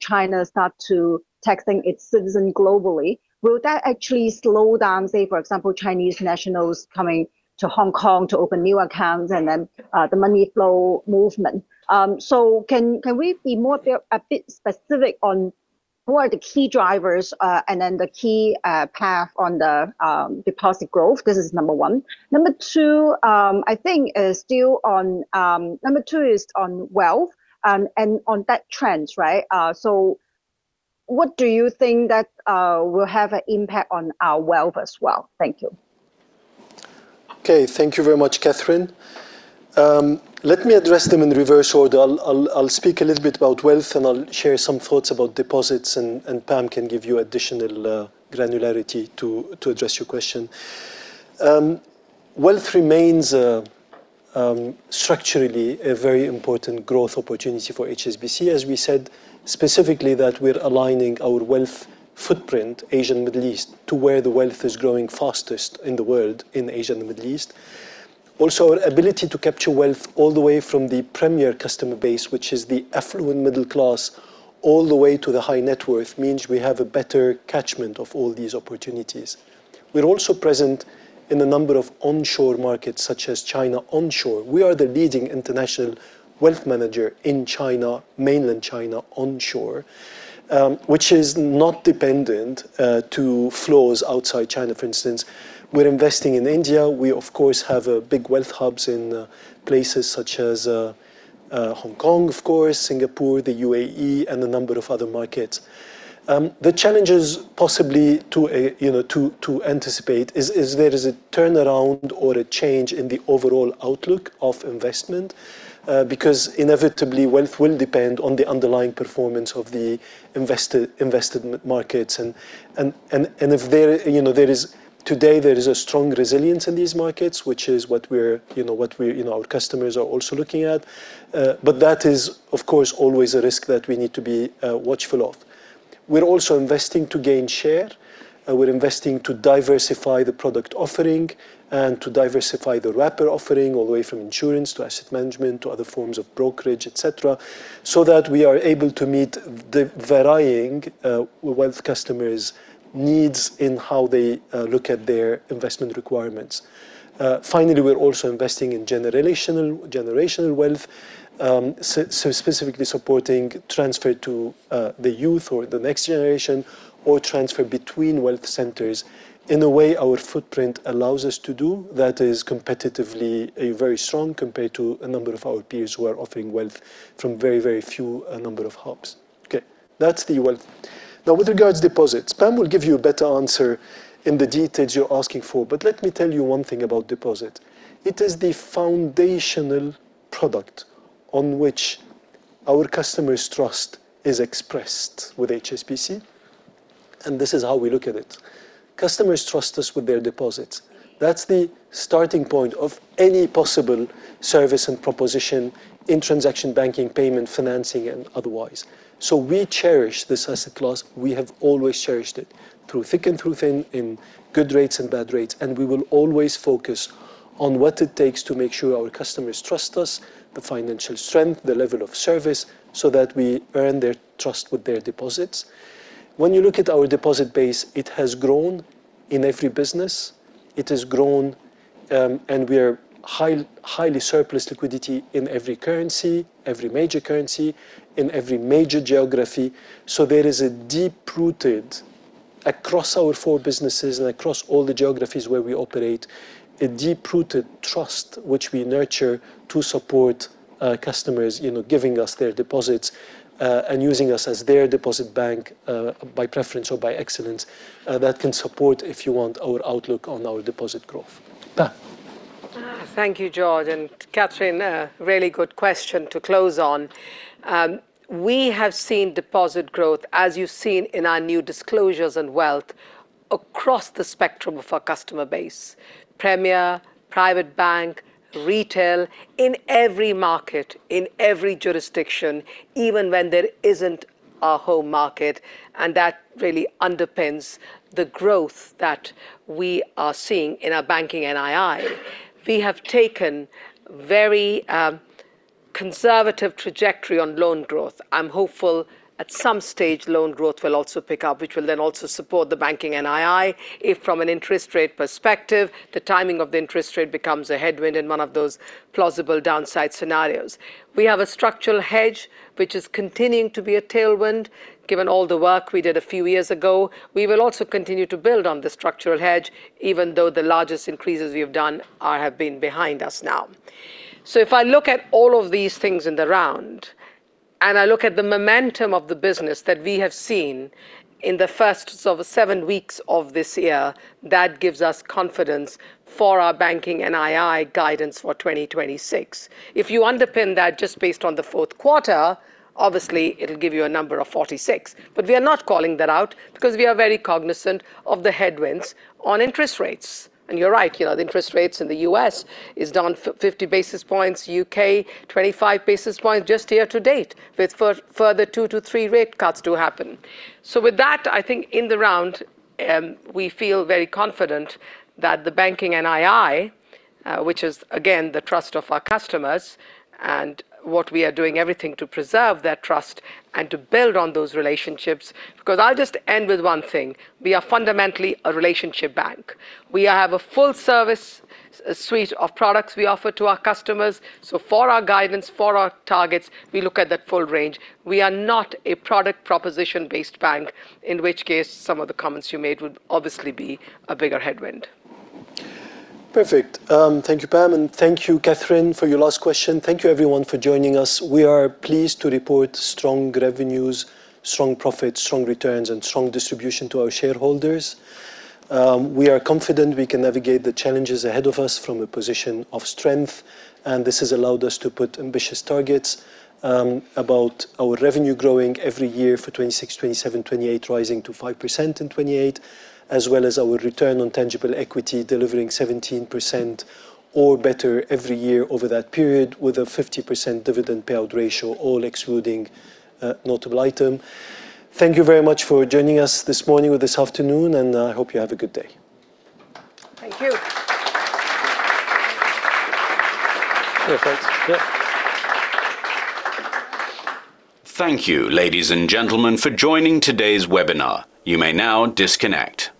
China starting to taxing its citizens globally, will that actually slow down, say, for example, Chinese nationals coming to Hong Kong to open new accounts and then the money flow movement Can we be more a bit specific on who are the key drivers, and then the key path on the deposit growth? This is number one. Number two, I think is still on, number two is on wealth and on that trends, right? What do you think that will have an impact on our wealth as well? Thank you. Okay, thank you very much, Catherine. Let me address them in reverse order. I'll speak a little bit about wealth, and I'll share some thoughts about deposits, and Pam can give you additional granularity to address your question. Wealth remains structurally a very important growth opportunity for HSBC, as we said specifically, that we're aligning our wealth footprint, Asia and Middle East, to where the wealth is growing fastest in the world, in Asia and Middle East. Our ability to capture wealth all the way from the premier customer base, which is the affluent middle class, all the way to the high net worth, means we have a better catchment of all these opportunities. We're also present in a number of onshore markets, such as China onshore. We are the leading international wealth manager in China, Mainland China, onshore, which is not dependent to flows outside China, for instance. We're investing in India. We, of course, have big wealth hubs in places such as Hong Kong, of course, Singapore, the UAE, and a number of other markets. The challenges possibly to, you know, to anticipate is, there is a turnaround or a change in the overall outlook of investment, because inevitably, wealth will depend on the underlying performance of the invested markets. If there, you know, today, there is a strong resilience in these markets, which is what we're, you know, what we, our customers are also looking at, but that is, of course, always a risk that we need to be watchful of. We're also investing to gain share, we're investing to diversify the product offering and to diversify the wrapper offering, all the way from insurance to asset management to other forms of brokerage, et cetera, so that we are able to meet the varying wealth customers' needs in how they look at their investment requirements. Finally, we're also investing in generational wealth, so specifically supporting transfer to the youth or the next generation, or transfer between wealth centers in a way our footprint allows us to do that is competitively a very strong compared to a number of our peers who are offering wealth from very few, a number of hubs. That's the wealth. With regards deposits, Pam will give you a better answer in the details you're asking for, let me tell you one thing about deposit. It is the foundational product. Our customers' trust is expressed with HSBC, and this is how we look at it. Customers trust us with their deposits. That's the starting point of any possible service and proposition in transaction banking, payment, financing, and otherwise. We cherish this asset class. We have always cherished it, through thick and through thin, in good rates and bad rates, and we will always focus on what it takes to make sure our customers trust us, the financial strength, the level of service, so that we earn their trust with their deposits. When you look at our deposit base, it has grown in every business. It has grown, we are highly surplus liquidity in every currency, every major currency, in every major geography. There is a deep-rooted, across our four businesses and across all the geographies where we operate, a deep-rooted trust, which we nurture to support, customers, you know, giving us their deposits, and using us as their deposit bank, by preference or by excellence, that can support, if you want, our outlook on our deposit growth. Pam? Thank you, George. Catherine, a really good question to close on. We have seen deposit growth, as you've seen in our new disclosures and wealth, across the spectrum of our customer base: premier, private bank, retail, in every market, in every jurisdiction, even when there isn't a home market, and that really underpins the growth that we are seeing in our Banking NII. We have taken very conservative trajectory on loan growth. I'm hopeful at some stage, loan growth will also pick up, which will then also support the Banking NII if, from an interest rate perspective, the timing of the interest rate becomes a headwind in one of those plausible downside scenarios. We have a structural hedge, which is continuing to be a tailwind, given all the work we did a few years ago. We will also continue to build on the structural hedge, even though the largest increases we have done have been behind us now. If I look at all of these things in the round, and I look at the momentum of the business that we have seen in the first of 7 weeks of this year, that gives us confidence for our Banking NII guidance for 2026. If you underpin that just based on the Q4, obviously, it'll give you a number of 46. We are not calling that out because we are very cognizant of the headwinds on interest rates. You're right, you know, the interest rates in the U.S. is down 50 basis points, U.K., 25 basis points just here to date, with further 2 to 3 rate cuts to happen. With that, I think in the round, we feel very confident that the Banking NII, which is again, the trust of our customers and what we are doing everything to preserve that trust and to build on those relationships, because I'll just end with one thing: We are fundamentally a relationship bank. We have a full service suite of products we offer to our customers. For our guidance, for our targets, we look at that full range. We are not a product proposition-based bank, in which case, some of the comments you made would obviously be a bigger headwind. Perfect. Thank you, Pam, and thank you, Catherine, for your last question. Thank you, everyone, for joining us. We are pleased to report strong revenues, strong profits, strong returns, and strong distribution to our shareholders. We are confident we can navigate the challenges ahead of us from a position of strength, and this has allowed us to put ambitious targets about our revenue growing every year for 2026, 2027, 2028, rising to 5% in 2028, as well as our RoTE, delivering 17% or better every year over that period, with a 50% dividend payout ratio, all excluding notable item. Thank you very much for joining us this morning or this afternoon, and I hope you have a good day. Thank you. Yeah, thanks. Yeah. Thank you, ladies and gentlemen, for joining today's webinar. You may now disconnect.